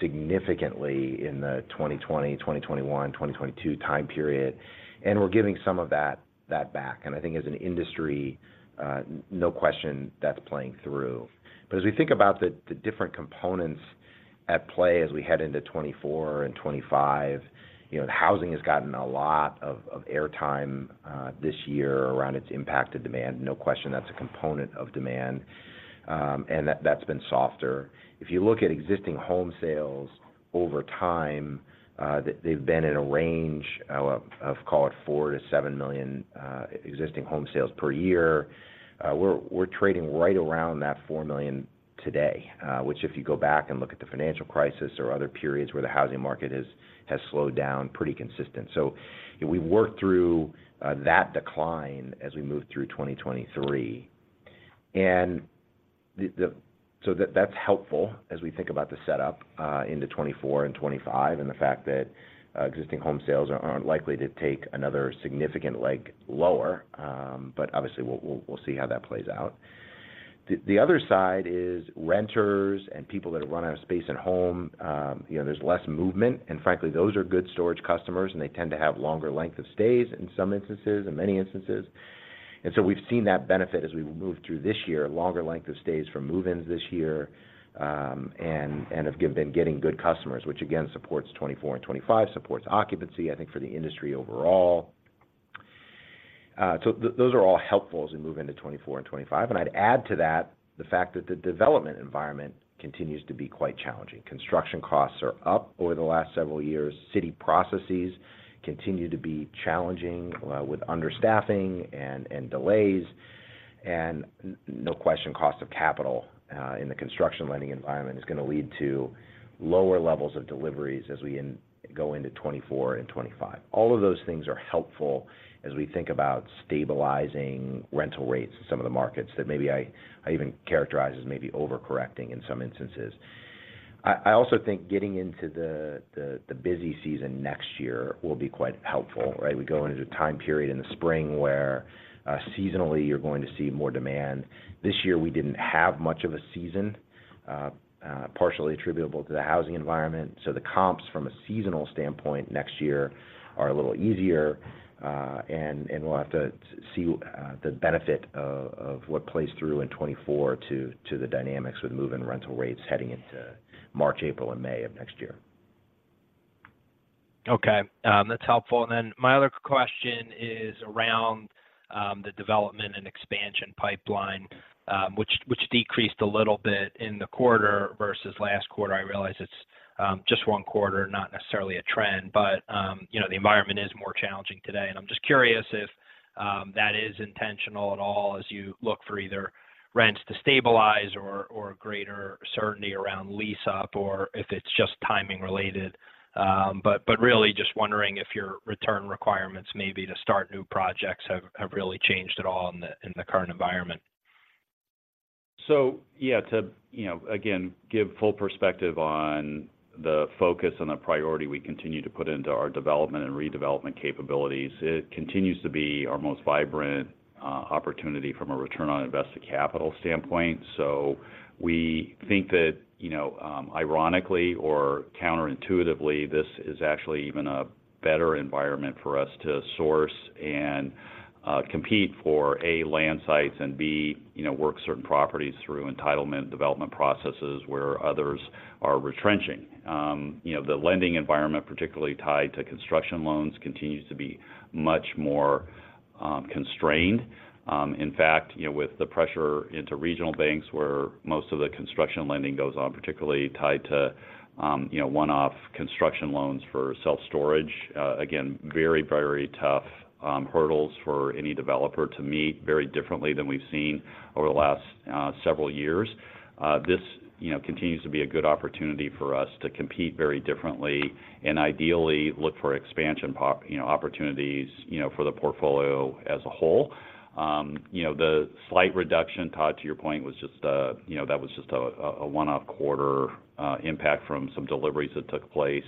significantly in the 2020, 2021, 2022 time period, and we're giving some of that back. And I think as an industry, no question, that's playing through. But as we think about the different components at play as we head into 2024 and 2025, you know, housing has gotten a lot of airtime this year around its impact to demand. No question, that's a component of demand, and that's been softer. If you look at existing home sales over time, they've been in a range of call it 4 million-7 million existing home sales per year. We're trading right around that 4 million today, which if you go back and look at the financial crisis or other periods where the housing market has slowed down, pretty consistent. So we worked through that decline as we moved through 2023. So that's helpful as we think about the setup into 2024 and 2025, and the fact that existing home sales aren't likely to take another significant leg lower, but obviously, we'll see how that plays out. The other side is renters and people that run out of space and home, you know, there's less movement, and frankly, those are good storage customers, and they tend to have longer length of stays in some instances, in many instances. And so we've seen that benefit as we moved through this year, longer length of stays for move-ins this year, and have been getting good customers, which again, supports 2024 and 2025, supports occupancy, I think for the industry overall. So those are all helpful as we move into 2024 and 2025, and I'd add to that, the fact that the development environment continues to be quite challenging. Construction costs are up over the last several years. City processes continue to be challenging, with understaffing and delays. No question, cost of capital in the construction lending environment is gonna lead to lower levels of deliveries as we go into 2024 and 2025. All of those things are helpful as we think about stabilizing rental rates in some of the markets that maybe I even characterize as maybe overcorrecting in some instances. I also think getting into the busy season next year will be quite helpful, right? We go into a time period in the spring where seasonally, you're going to see more demand. This year, we didn't have much of a season partially attributable to the housing environment. So the comps from a seasonal standpoint next year are a little easier, and we'll have to see the benefit of what plays through in 2024 to the dynamics with move-in rental rates heading into March, April, and May of next year. Okay, that's helpful. Then my other question is around the development and expansion pipeline, which decreased a little bit in the quarter versus last quarter. I realize it's just one quarter, not necessarily a trend, but you know, the environment is more challenging today, and I'm just curious if that is intentional at all as you look for either rents to stabilize or greater certainty around lease up, or if it's just timing related. But really just wondering if your return requirements, maybe to start new projects, have really changed at all in the current environment. So yeah, to you know, again, give full perspective on the focus and the priority we continue to put into our development and redevelopment capabilities, it continues to be our most vibrant opportunity from a return on invested capital standpoint. So we think that, you know, ironically or counterintuitively, this is actually even a better environment for us to source and compete for, A, land sites, and B, you know, work certain properties through entitlement development processes where others are retrenching. You know, the lending environment, particularly tied to construction loans, continues to be much more constrained. In fact, you know, with the pressure into regional banks, where most of the construction lending goes on, particularly tied to, you know, one-off construction loans for self-storage, again, very, very tough hurdles for any developer to meet very differently than we've seen over the last several years. This, you know, continues to be a good opportunity for us to compete very differently and ideally look for expansion opportunities, you know, for the portfolio as a whole. You know, the slight reduction, Todd, to your point, was just, you know, that was just a one-off quarter impact from some deliveries that took place.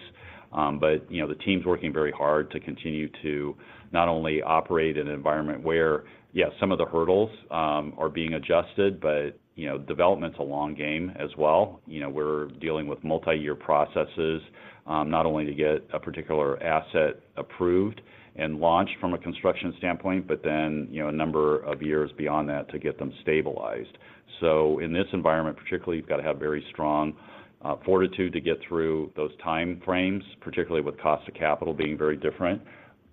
But, you know, the team's working very hard to continue to not only operate in an environment where, yes, some of the hurdles are being adjusted, but you know, development's a long game as well. You know, we're dealing with multi-year processes, not only to get a particular asset approved and launched from a construction standpoint, but then, you know, a number of years beyond that to get them stabilized. So in this environment, particularly, you've got to have very strong fortitude to get through those time frames, particularly with cost of capital being very different.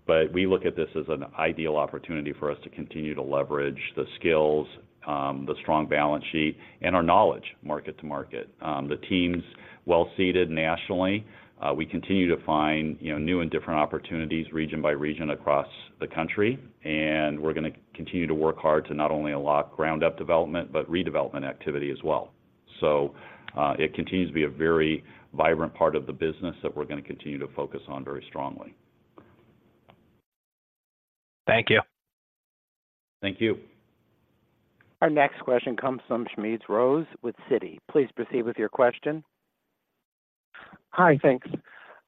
But we look at this as an ideal opportunity for us to continue to leverage the skills, the strong balance sheet, and our knowledge, market to market. The team's well-seeded nationally. We continue to find, you know, new and different opportunities, region by region, across the country, and we're gonna continue to work hard to not only unlock ground-up development, but redevelopment activity as well. So, it continues to be a very vibrant part of the business that we're gonna continue to focus on very strongly. Thank you. Thank you. Our next question comes from Smedes Rose with Citi. Please proceed with your question. Hi, thanks.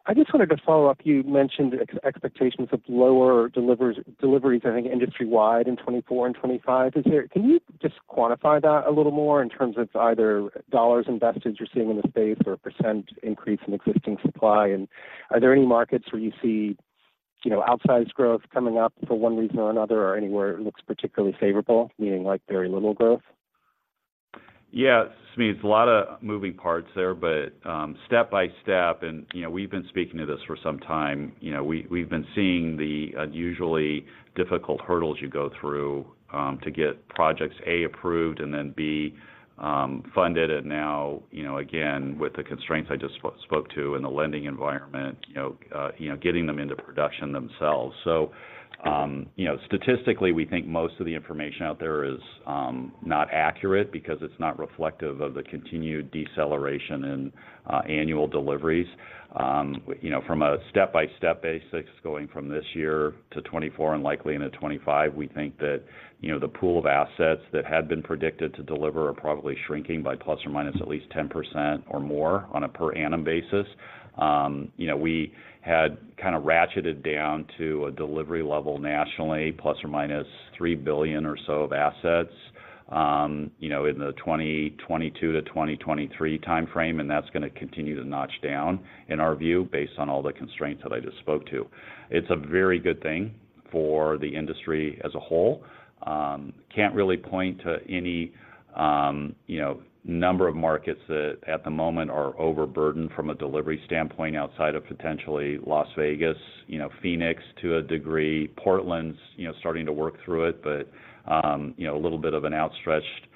I just wanted to follow up. You mentioned expectations of lower deliveries, I think, industry-wide in 2024 and 2025. Can you just quantify that a little more in terms of either dollars invested you're seeing in the space or a % increase in existing supply? And are there any markets where you see, you know, outsized growth coming up for one reason or another, or anywhere it looks particularly favorable, meaning, like, very little growth? Yeah, Smedes, a lot of moving parts there, but step by step, and, you know, we've been speaking to this for some time, you know, we, we've been seeing the unusually difficult hurdles you go through to get projects, A, approved, and then, B, funded. And now, you know, again, with the constraints I just spoke to in the lending environment, you know, getting them into production themselves. So, you know, statistically, we think most of the information out there is not accurate because it's not reflective of the continued deceleration in annual deliveries. You know, from a step-by-step basics, going from this year to 2024 and likely into 2025, we think that, you know, the pool of assets that had been predicted to deliver are probably shrinking by ± at least 10% or more on a per annum basis. You know, we had kind of ratcheted down to a delivery level nationally, ±3 billion or so of assets, you know, in the 2022-2023 time frame, and that's gonna continue to notch down, in our view, based on all the constraints that I just spoke to. It's a very good thing for the industry as a whole. Can't really point to any, you know, number of markets that at the moment are overburdened from a delivery standpoint outside of potentially Las Vegas, you know, Phoenix to a degree. Portland's, you know, starting to work through it, but, you know, a little bit of an outstretched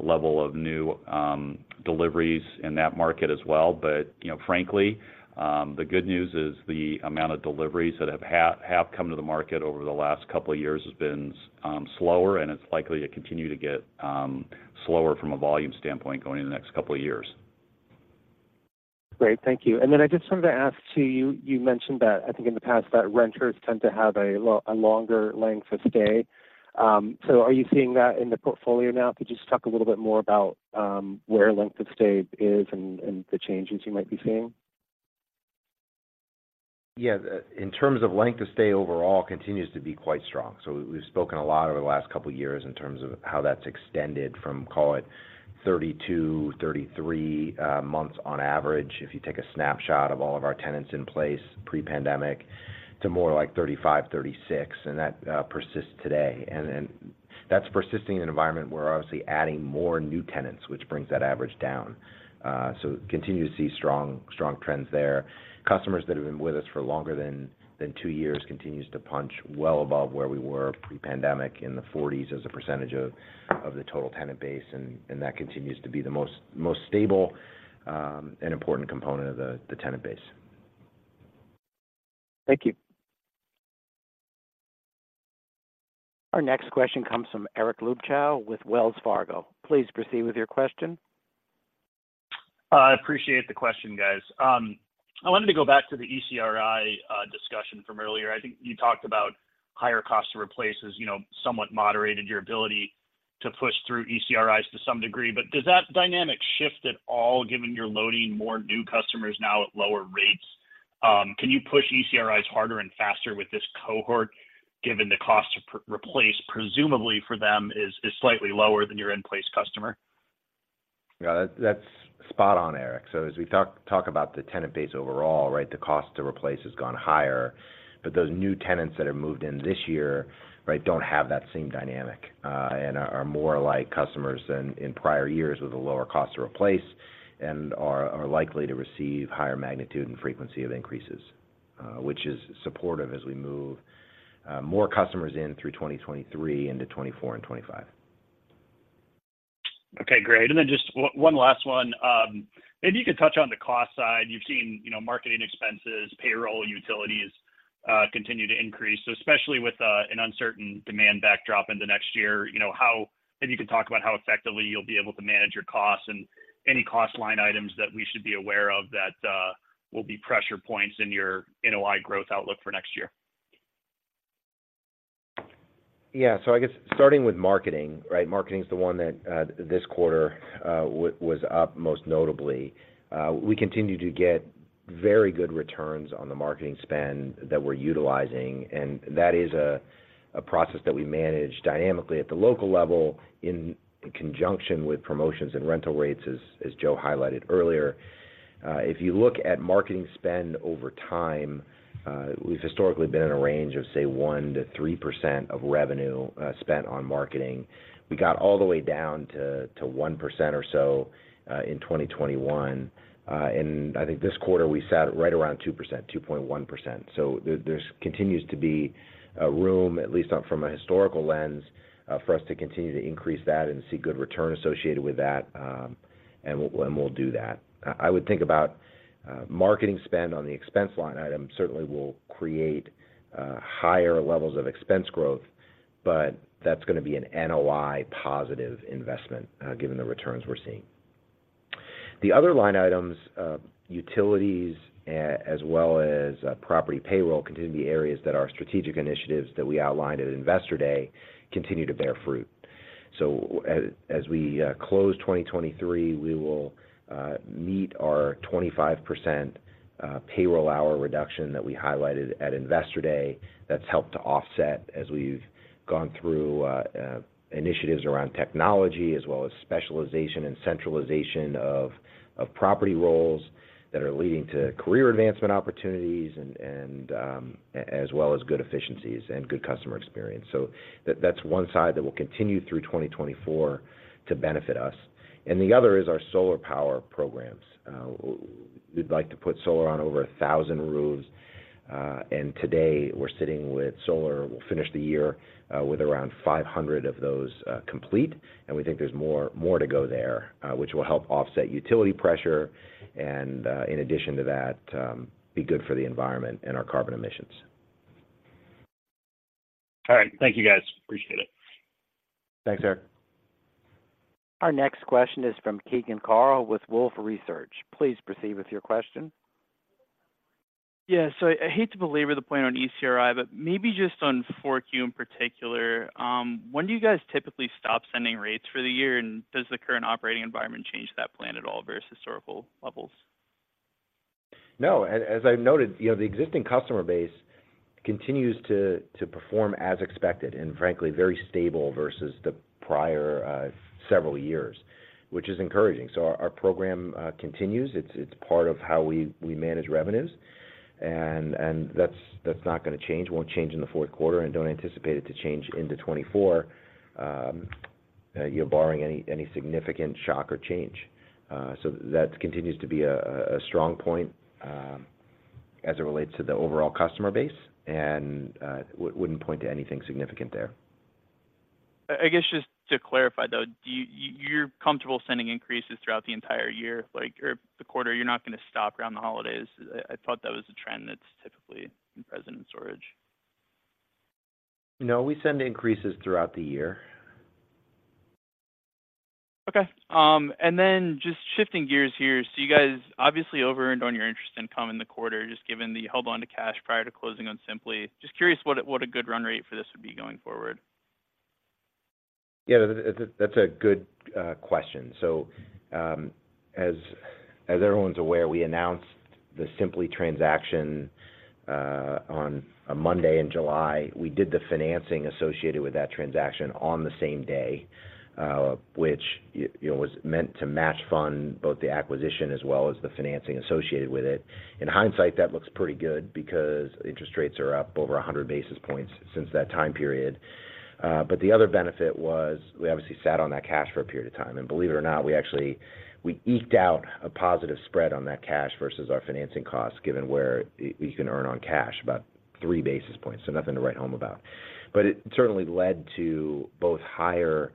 level of new deliveries in that market as well. But you know, frankly, the good news is the amount of deliveries that have come to the market over the last couple of years has been slower, and it's likely to continue to get slower from a volume standpoint going in the next couple of years. Great. Thank you. And then I just wanted to ask, too, you, you mentioned that, I think in the past, that renters tend to have a longer length of stay. So are you seeing that in the portfolio now? Could you just talk a little bit more about where length of stay is and the changes you might be seeing? Yeah, in terms of length of stay overall continues to be quite strong. So we've spoken a lot over the last couple of years in terms of how that's extended from, call it, 32, 33 months on average, if you take a snapshot of all of our tenants in place pre-pandemic, to more like 35, 36, and that persists today. And then, that's persisting in an environment where we're obviously adding more new tenants, which brings that average down. So continue to see strong, strong trends there. Customers that have been with us for longer than two years continues to punch well above where we were pre-pandemic, in the 40s as the percentage of the total tenant base, and that continues to be the most, most stable and important component of the tenant base. Thank you. Our next question comes from Eric Luebchow with Wells Fargo. Please proceed with your question. I appreciate the question, guys. I wanted to go back to the ECRI discussion from earlier. I think you talked about higher cost to replace as, you know, somewhat moderated your ability to push through ECRIs to some degree. But does that dynamic shift at all, given you're loading more new customers now at lower rates? Can you push ECRIs harder and faster with this cohort, given the cost to replace, presumably for them, is slightly lower than your in-place customer? Yeah, that's spot on, Eric. So as we talk about the tenant base overall, right, the cost to replace has gone higher. But those new tenants that have moved in this year, right, don't have that same dynamic, and are more like customers than in prior years with a lower cost to replace, and are likely to receive higher magnitude and frequency of increases, which is supportive as we move more customers in through 2023 into 2024 and 2025. Okay, great. And then just one last one. Maybe you could touch on the cost side. You've seen, you know, marketing expenses, payroll, utilities continue to increase. So especially with an uncertain demand backdrop into next year, you know, how, if you can talk about how effectively you'll be able to manage your costs and any cost line items that we should be aware of that will be pressure points in your NOI growth outlook for next year? Yeah. So I guess starting with marketing, right? Marketing is the one that this quarter was up most notably. We continue to get very good returns on the marketing spend that we're utilizing, and that is a process that we manage dynamically at the local level in conjunction with promotions and rental rates, as Joe highlighted earlier. If you look at marketing spend over time, we've historically been in a range of, say, 1%-3% of revenue spent on marketing. We got all the way down to 1% or so in 2021. And I think this quarter we sat right around 2%, 2.1%. So there's continues to be room, at least from a historical lens, for us to continue to increase that and see good return associated with that, and we'll do that. I would think about marketing spend on the expense line item certainly will create higher levels of expense growth, but that's gonna be an NOI positive investment, given the returns we're seeing. The other line items, utilities, as well as, property payroll, continue to be areas that our strategic initiatives that we outlined at Investor Day continue to bear fruit. So as we close 2023, we will meet our 25% payroll hour reduction that we highlighted at Investor Day. That's helped to offset as we've gone through initiatives around technology, as well as specialization and centralization of property roles that are leading to career advancement opportunities and as well as good efficiencies and good customer experience. So that's one side that will continue through 2024 to benefit us. And the other is our solar power programs. We'd like to put solar on over 1,000 roofs, and today, we're sitting with solar. We'll finish the year with around 500 of those complete, and we think there's more to go there, which will help offset utility pressure, and in addition to that, be good for the environment and our carbon emissions. All right. Thank you, guys. Appreciate it. Thanks, Eric. Our next question is from Keegan Carl with Wolfe Research. Please proceed with your question. Yeah. So I hate to belabor the point on ECRI, but maybe just on 4Q in particular, when do you guys typically stop sending rates for the year? And does the current operating environment change that plan at all versus historical levels? No, as I've noted, you know, the existing customer base continues to perform as expected, and frankly, very stable versus the prior several years, which is encouraging. So our program continues. It's part of how we manage revenues, and that's not gonna change. Won't change in the fourth quarter, and don't anticipate it to change into 2024, you know, barring any significant shock or change. So that continues to be a strong point as it relates to the overall customer base, and wouldn't point to anything significant there. I guess just to clarify, though, do you—you're comfortable sending increases throughout the entire year, like, or the quarter, you're not gonna stop around the holidays? I thought that was a trend that's typically in self-storage. No, we send increases throughout the year. Okay. And then just shifting gears here. So you guys obviously overearned on your interest income in the quarter, just given the hold on to cash prior to closing on Simply. Just curious what a good run rate for this would be going forward? Yeah, that's a good question. So, as everyone's aware, we announced the Simply transaction on a Monday in July. We did the financing associated with that transaction on the same day, which, you know, was meant to match fund both the acquisition as well as the financing associated with it. In hindsight, that looks pretty good because interest rates are up over 100 basis points since that time period. But the other benefit was we obviously sat on that cash for a period of time, and believe it or not, we actually eked out a positive spread on that cash versus our financing costs, given where we can earn on cash, about 3 basis points, so nothing to write home about. But it certainly led to both higher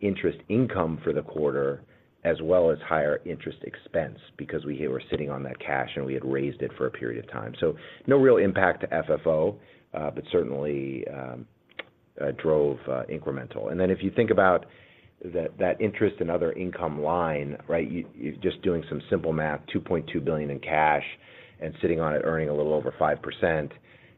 interest income for the quarter, as well as higher interest expense, because we were sitting on that cash, and we had raised it for a period of time. So no real impact to FFO, but certainly drove incremental. And then if you think about that, that interest and other income line, right? You just doing some simple math, $2.2 billion in cash and sitting on it, earning a little over 5%,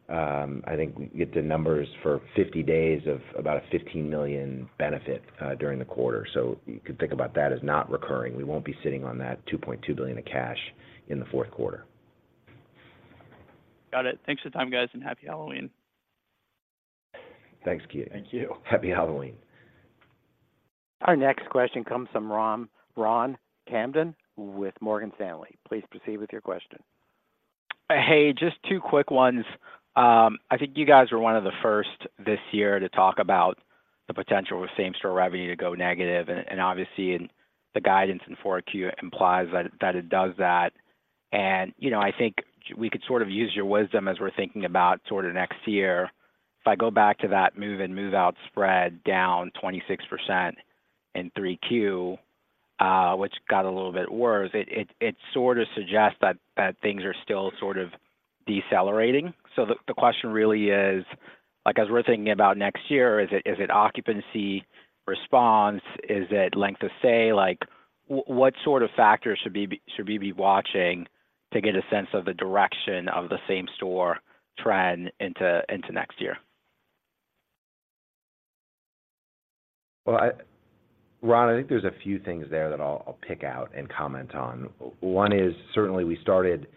I think we get the numbers for 50 days of about a $15 million benefit during the quarter. So you could think about that as not recurring. We won't be sitting on that $2.2 billion of cash in the fourth quarter. Got it. Thanks for the time, guys, and Happy Halloween! Thanks, Keegan. Thank you. Happy Halloween. Our next question comes from Ron, Ron Kamdem with Morgan Stanley. Please proceed with your question. Hey, just two quick ones. I think you guys were one of the first this year to talk about the potential with same-store revenue to go negative, and obviously, in the guidance in 4Q, it implies that it does that. And, you know, I think we could sort of use your wisdom as we're thinking about sort of next year. If I go back to that move-in, move-out spread down 26% in 3Q, which got a little bit worse, it sort of suggests that things are still sort of decelerating. So the question really is, like, as we're thinking about next year, is it occupancy response? Is it length of stay? Like, what sort of factors should we be watching to get a sense of the direction of the same-store trend into next year? Well, Ron, I think there's a few things there that I'll, I'll pick out and comment on. One is, certainly, we started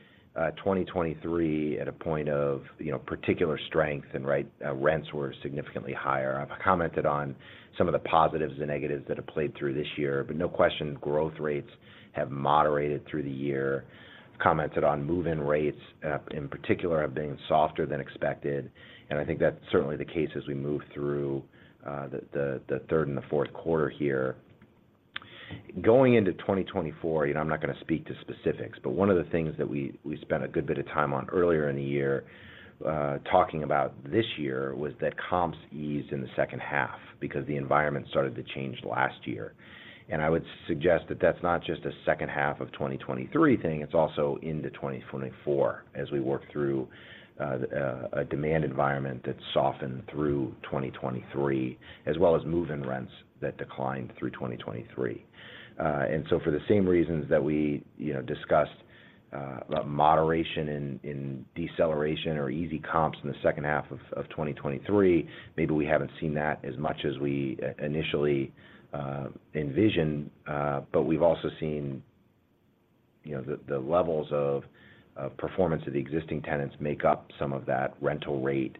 2023 at a point of, you know, particular strength and, right, rents were significantly higher. I've commented on some of the positives and negatives that have played through this year, but no question, growth rates have moderated through the year. Commented on move-in rates, in particular, have been softer than expected, and I think that's certainly the case as we move through the third and the fourth quarter here. Going into 2024, you know, I'm not going to speak to specifics, but one of the things that we spent a good bit of time on earlier in the year talking about this year was that comps eased in the second half because the environment started to change last year. I would suggest that that's not just a second half of 2023 thing, it's also into 2024, as we work through a demand environment that softened through 2023, as well as move-in rents that declined through 2023. And so for the same reasons that we, you know, discussed about moderation in deceleration or easy comps in the second half of 2023, maybe we haven't seen that as much as we initially envisioned, but we've also seen, you know, the levels of performance of the existing tenants make up some of that rental rate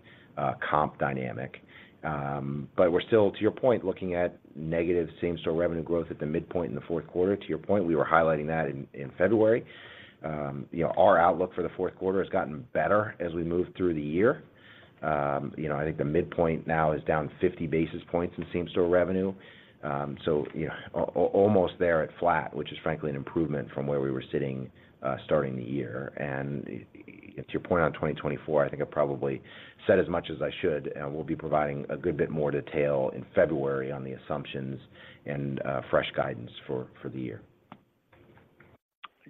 comp dynamic. But we're still, to your point, looking at negative same-store revenue growth at the midpoint in the fourth quarter. To your point, we were highlighting that in February. You know, our outlook for the fourth quarter has gotten better as we moved through the year. You know, I think the midpoint now is down 50 basis points in same-store revenue. So, you know, almost there at flat, which is frankly an improvement from where we were sitting starting the year. And to your point on 2024, I think I've probably said as much as I should, and we'll be providing a good bit more detail in February on the assumptions and fresh guidance for the year.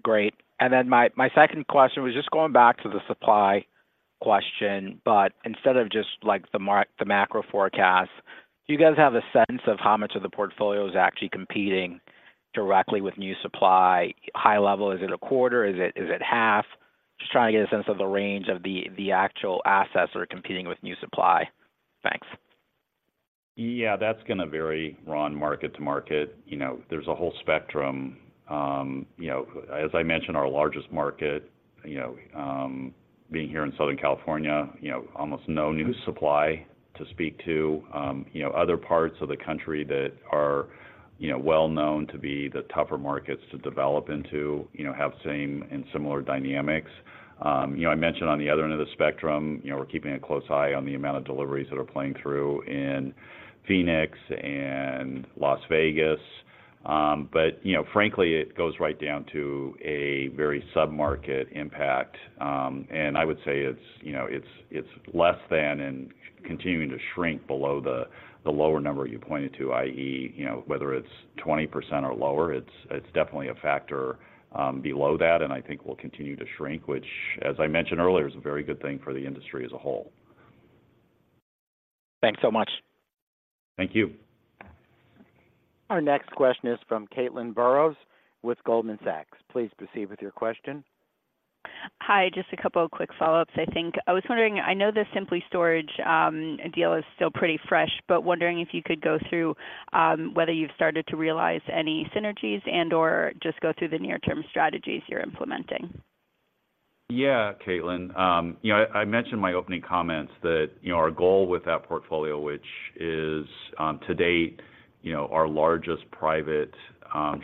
Great. And then my second question was just going back to the supply question, but instead of just like the macro forecast, do you guys have a sense of how much of the portfolio is actually competing directly with new supply? High level, is it a quarter? Is it half? Just trying to get a sense of the range of the actual assets that are competing with new supply. Thanks. Yeah, that's going to vary, Ron, market to market. You know, there's a whole spectrum. You know, as I mentioned, our largest market, you know, being here in Southern California, you know, almost no new supply to speak to. You know, other parts of the country that are, you know, well known to be the tougher markets to develop into, you know, have same and similar dynamics. You know, I mentioned on the other end of the spectrum, you know, we're keeping a close eye on the amount of deliveries that are playing through in Phoenix and Las Vegas. But you know, frankly, it goes right down to a very submarket impact. And I would say it's, you know, it's less than and continuing to shrink below the lower number you pointed to, i.e., you know, whether it's 20% or lower, it's definitely a factor below that, and I think will continue to shrink, which, as I mentioned earlier, is a very good thing for the industry as a whole. Thanks so much. Thank you. Our next question is from Caitlin Burrows with Goldman Sachs. Please proceed with your question. Hi, just a couple of quick follow-ups, I think. I was wondering, I know the Simply Self Storage deal is still pretty fresh, but wondering if you could go through whether you've started to realize any synergies and/or just go through the near-term strategies you're implementing. Yeah, Caitlin. You know, I mentioned in my opening comments that, you know, our goal with that portfolio, which is, to date, you know, our largest private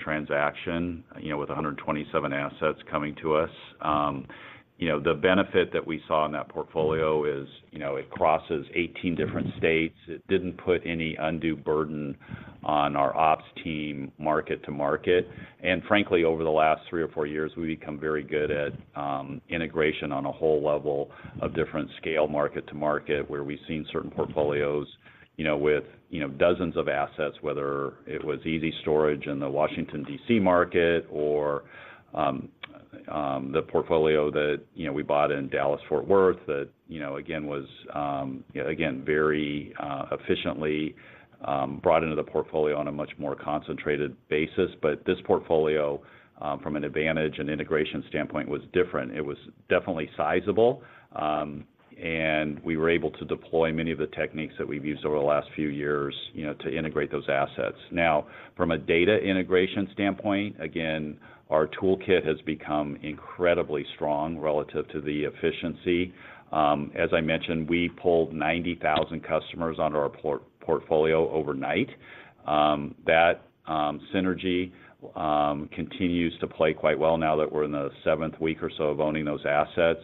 transaction, you know, with 127 assets coming to us. You know, the benefit that we saw in that portfolio is, you know, it crosses 18 different states. It didn't put any undue burden on our ops team, market to market. And frankly, over the last three or four years, we've become very good at integration on a whole level of different scale, market to market, where we've seen certain portfolios, you know, with you know dozens of assets, whether it was ezStorage in the Washington, D.C. market or the portfolio that you know we bought in Dallas-Fort Worth, that you know again was again very efficiently brought into the portfolio on a much more concentrated basis. But this portfolio from an advantage and integration standpoint was different. It was definitely sizable and we were able to deploy many of the techniques that we've used over the last few years, you know, to integrate those assets. Now, from a data integration standpoint, again, our toolkit has become incredibly strong relative to the efficiency. As I mentioned, we pulled 90,000 customers onto our portfolio overnight. That synergy continues to play quite well now that we're in the 7th week or so of owning those assets.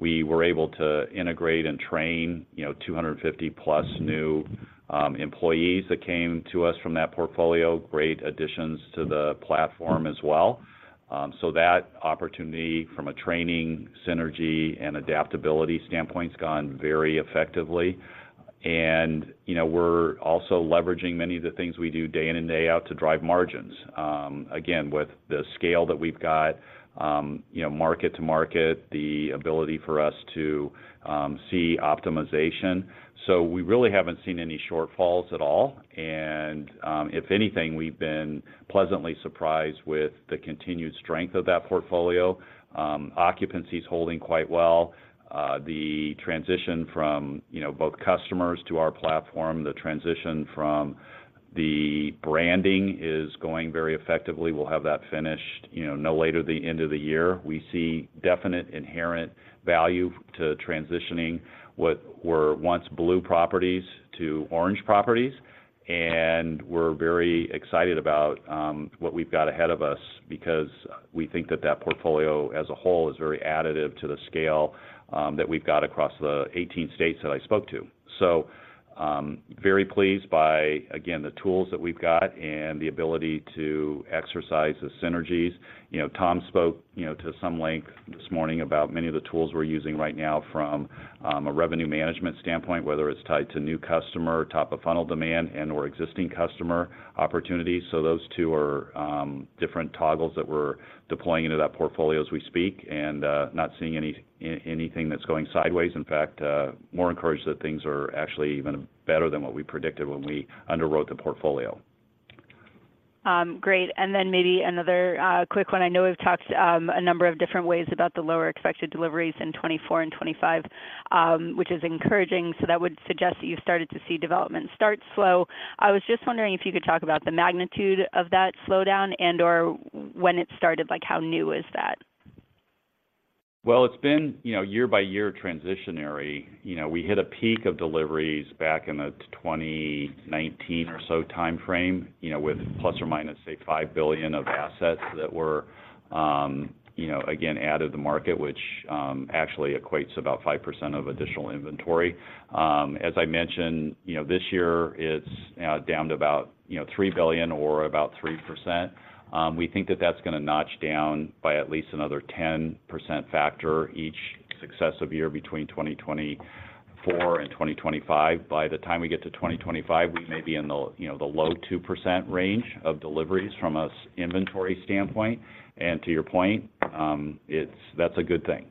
We were able to integrate and train, you know, 250+ new employees that came to us from that portfolio. Great additions to the platform as well. So that opportunity, from a training, synergy, and adaptability standpoint, has gone very effectively. And, you know, we're also leveraging many of the things we do day in and day out to drive margins. Again, with the scale that we've got, you know, market to market, the ability for us to see optimization. So we really haven't seen any shortfalls at all, and if anything, we've been pleasantly surprised with the continued strength of that portfolio. Occupancy is holding quite well. The transition from, you know, both customers to our platform, the transition from the branding is going very effectively. We'll have that finished, you know, no later than the end of the year. We see definite inherent value to transitioning what were once blue properties to orange properties, and we're very excited about what we've got ahead of us because we think that that portfolio as a whole is very additive to the scale that we've got across the 18 states that I spoke to. Very pleased by, again, the tools that we've got and the ability to exercise the synergies. You know, Tom spoke, you know, to some length this morning about many of the tools we're using right now from a revenue management standpoint, whether it's tied to new customer, top-of-funnel demand, and/or existing customer opportunities. So those two are different toggles that we're deploying into that portfolio as we speak, and not seeing anything that's going sideways. In fact, more encouraged that things are actually even better than what we predicted when we underwrote the portfolio. Great. And then maybe another quick one. I know we've talked a number of different ways about the lower expected deliveries in 2024 and 2025, which is encouraging. So that would suggest that you've started to see development start slow. I was just wondering if you could talk about the magnitude of that slowdown and/or when it started, like, how new is that? Well, it's been, you know, year by year transitionary. You know, we hit a peak of deliveries back in the 2019 or so timeframe, you know, with ±, say, $5 billion of assets that were, you know, again, out of the market, which, actually equates about 5% of additional inventory. As I mentioned, you know, this year it's down to about, you know, $3 billion or about 3%. We think that that's gonna notch down by at least another 10% factor each successive year between 2024 and 2025. By the time we get to 2025, we may be in the, you know, the low 2% range of deliveries from an inventory standpoint. To your point, that's a good thing,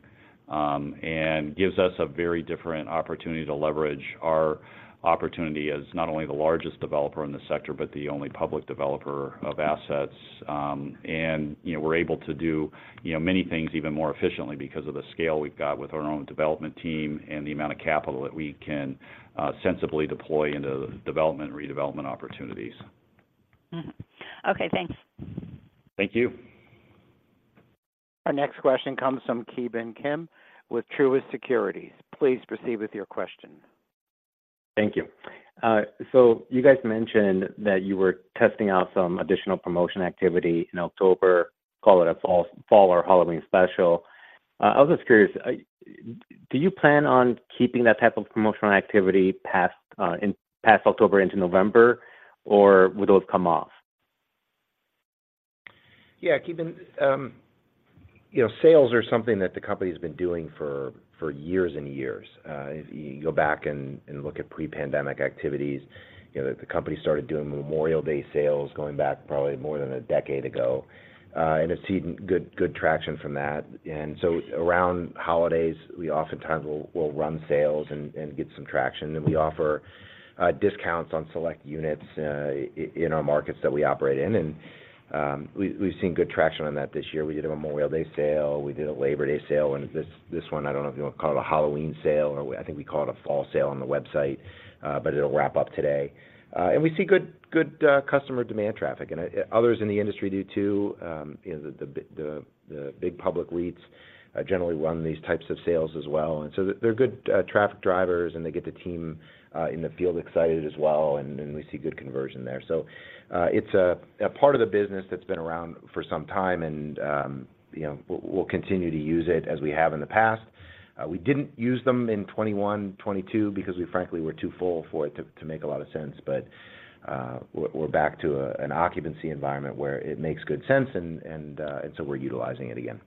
and gives us a very different opportunity to leverage our opportunity as not only the largest developer in the sector, but the only public developer of assets. You know, we're able to do, you know, many things even more efficiently because of the scale we've got with our own development team and the amount of capital that we can sensibly deploy into development and redevelopment opportunities. Mm-hmm. Okay, thanks. Thank you. Our next question comes from Ki Bin Kim with Truist Securities. Please proceed with your question. Thank you. So you guys mentioned that you were testing out some additional promotion activity in October, call it a fall or Halloween special. I was just curious, do you plan on keeping that type of promotional activity past October into November, or will those come off? Yeah, Ki Bin, you know, sales are something that the company's been doing for, for years and years. If you go back and, and look at pre-pandemic activities, you know, the company started doing Memorial Day sales, going back probably more than a decade ago, and has seen good, good traction from that. And so around holidays, we oftentimes will, will run sales and, and get some traction. And we offer, discounts on select units, in our markets that we operate in, and- We've seen good traction on that this year. We did a Memorial Day sale, we did a Labor Day sale, and this one, I don't know if you wanna call it a Halloween sale or what. I think we call it a fall sale on the website, but it'll wrap up today. And we see good customer demand traffic, and others in the industry do, too. You know, the big public REITs generally run these types of sales as well. And so they're good traffic drivers, and they get the team in the field excited as well, and we see good conversion there. So, it's a part of the business that's been around for some time, and, you know, we'll continue to use it as we have in the past. We didn't use them in 2021, 2022, because we frankly were too full for it to make a lot of sense. But, we're back to an occupancy environment where it makes good sense, and so we're utilizing it again.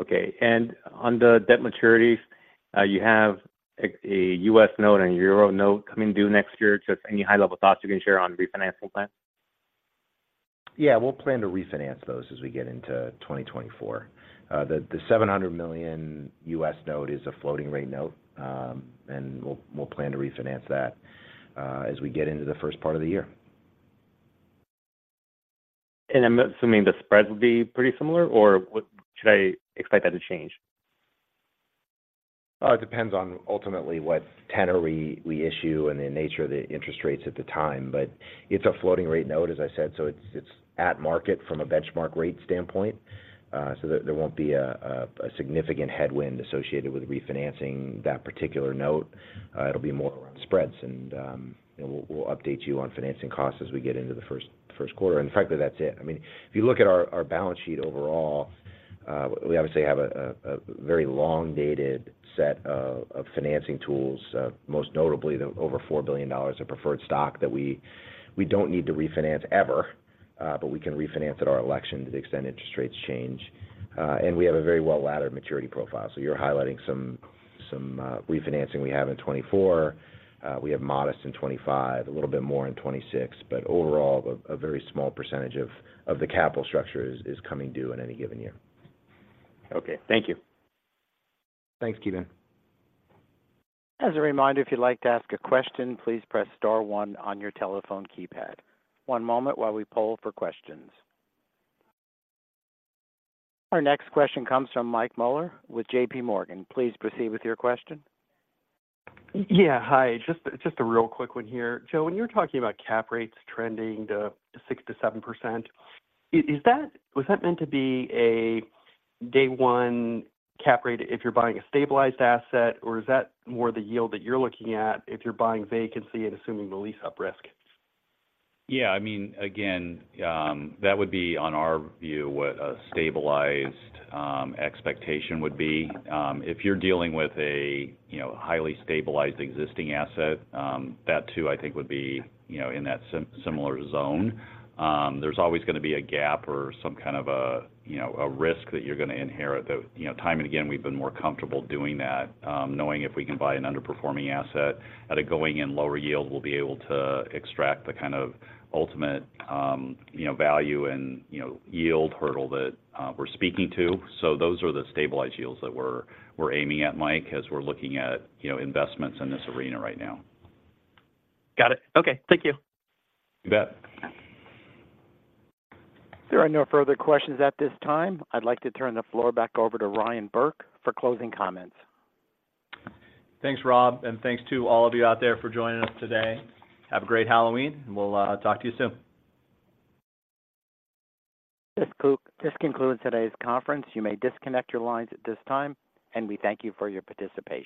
Okay. On the debt maturities, you have a U.S. note and a Euro note coming due next year. Just any high-level thoughts you can share on refinancing plans? Yeah, we'll plan to refinance those as we get into 2024. The $700 million U.S. note is a floating rate note, and we'll plan to refinance that, as we get into the first part of the year. I'm assuming the spreads will be pretty similar, or what? Should I expect that to change? It depends on ultimately what tenor we issue and the nature of the interest rates at the time, but it's a floating rate note, as I said, so it's at market from a benchmark rate standpoint. So there won't be a significant headwind associated with refinancing that particular note. It'll be more around spreads and we'll update you on financing costs as we get into the first quarter. Frankly, that's it. I mean, if you look at our balance sheet overall, we obviously have a very long-dated set of financing tools, most notably the over $4 billion of preferred stock that we don't need to refinance ever, but we can refinance at our election to the extent interest rates change. And we have a very well-laddered maturity profile. So you're highlighting some refinancing we have in 2024. We have modest in 2025, a little bit more in 2026, but overall, a very small percentage of the capital structure is coming due in any given year. Okay. Thank you. Thanks, Ki Bin. As a reminder, if you'd like to ask a question, please press star one on your telephone keypad. One moment while we poll for questions. Our next question comes from Mike Mueller with JPMorgan. Please proceed with your question. Yeah, hi. Just a, just a real quick one here. Joe, when you were talking about cap rates trending to 6%-7%, is, is that- was that meant to be a day one cap rate if you're buying a stabilized asset? Or is that more the yield that you're looking at if you're buying vacancy and assuming the lease-up risk? Yeah, I mean, again, that would be on our view, what a stabilized expectation would be. If you're dealing with a, you know, highly stabilized existing asset, that too, I think would be, you know, in that similar zone. There's always gonna be a gap or some kind of a, you know, a risk that you're gonna inherit that. You know, time and again, we've been more comfortable doing that, knowing if we can buy an underperforming asset at a going-in lower yield, we'll be able to extract the kind of ultimate, you know, value and, you know, yield hurdle that we're speaking to. So those are the stabilized yields that we're aiming at, Mike, as we're looking at, you know, investments in this arena right now. Got it. Okay, thank you. You bet. There are no further questions at this time. I'd like to turn the floor back over to Ryan Burke for closing comments. Thanks, Rob, and thanks to all of you out there for joining us today. Have a great Halloween, and we'll talk to you soon. This concludes today's conference. You may disconnect your lines at this time, and we thank you for your participation.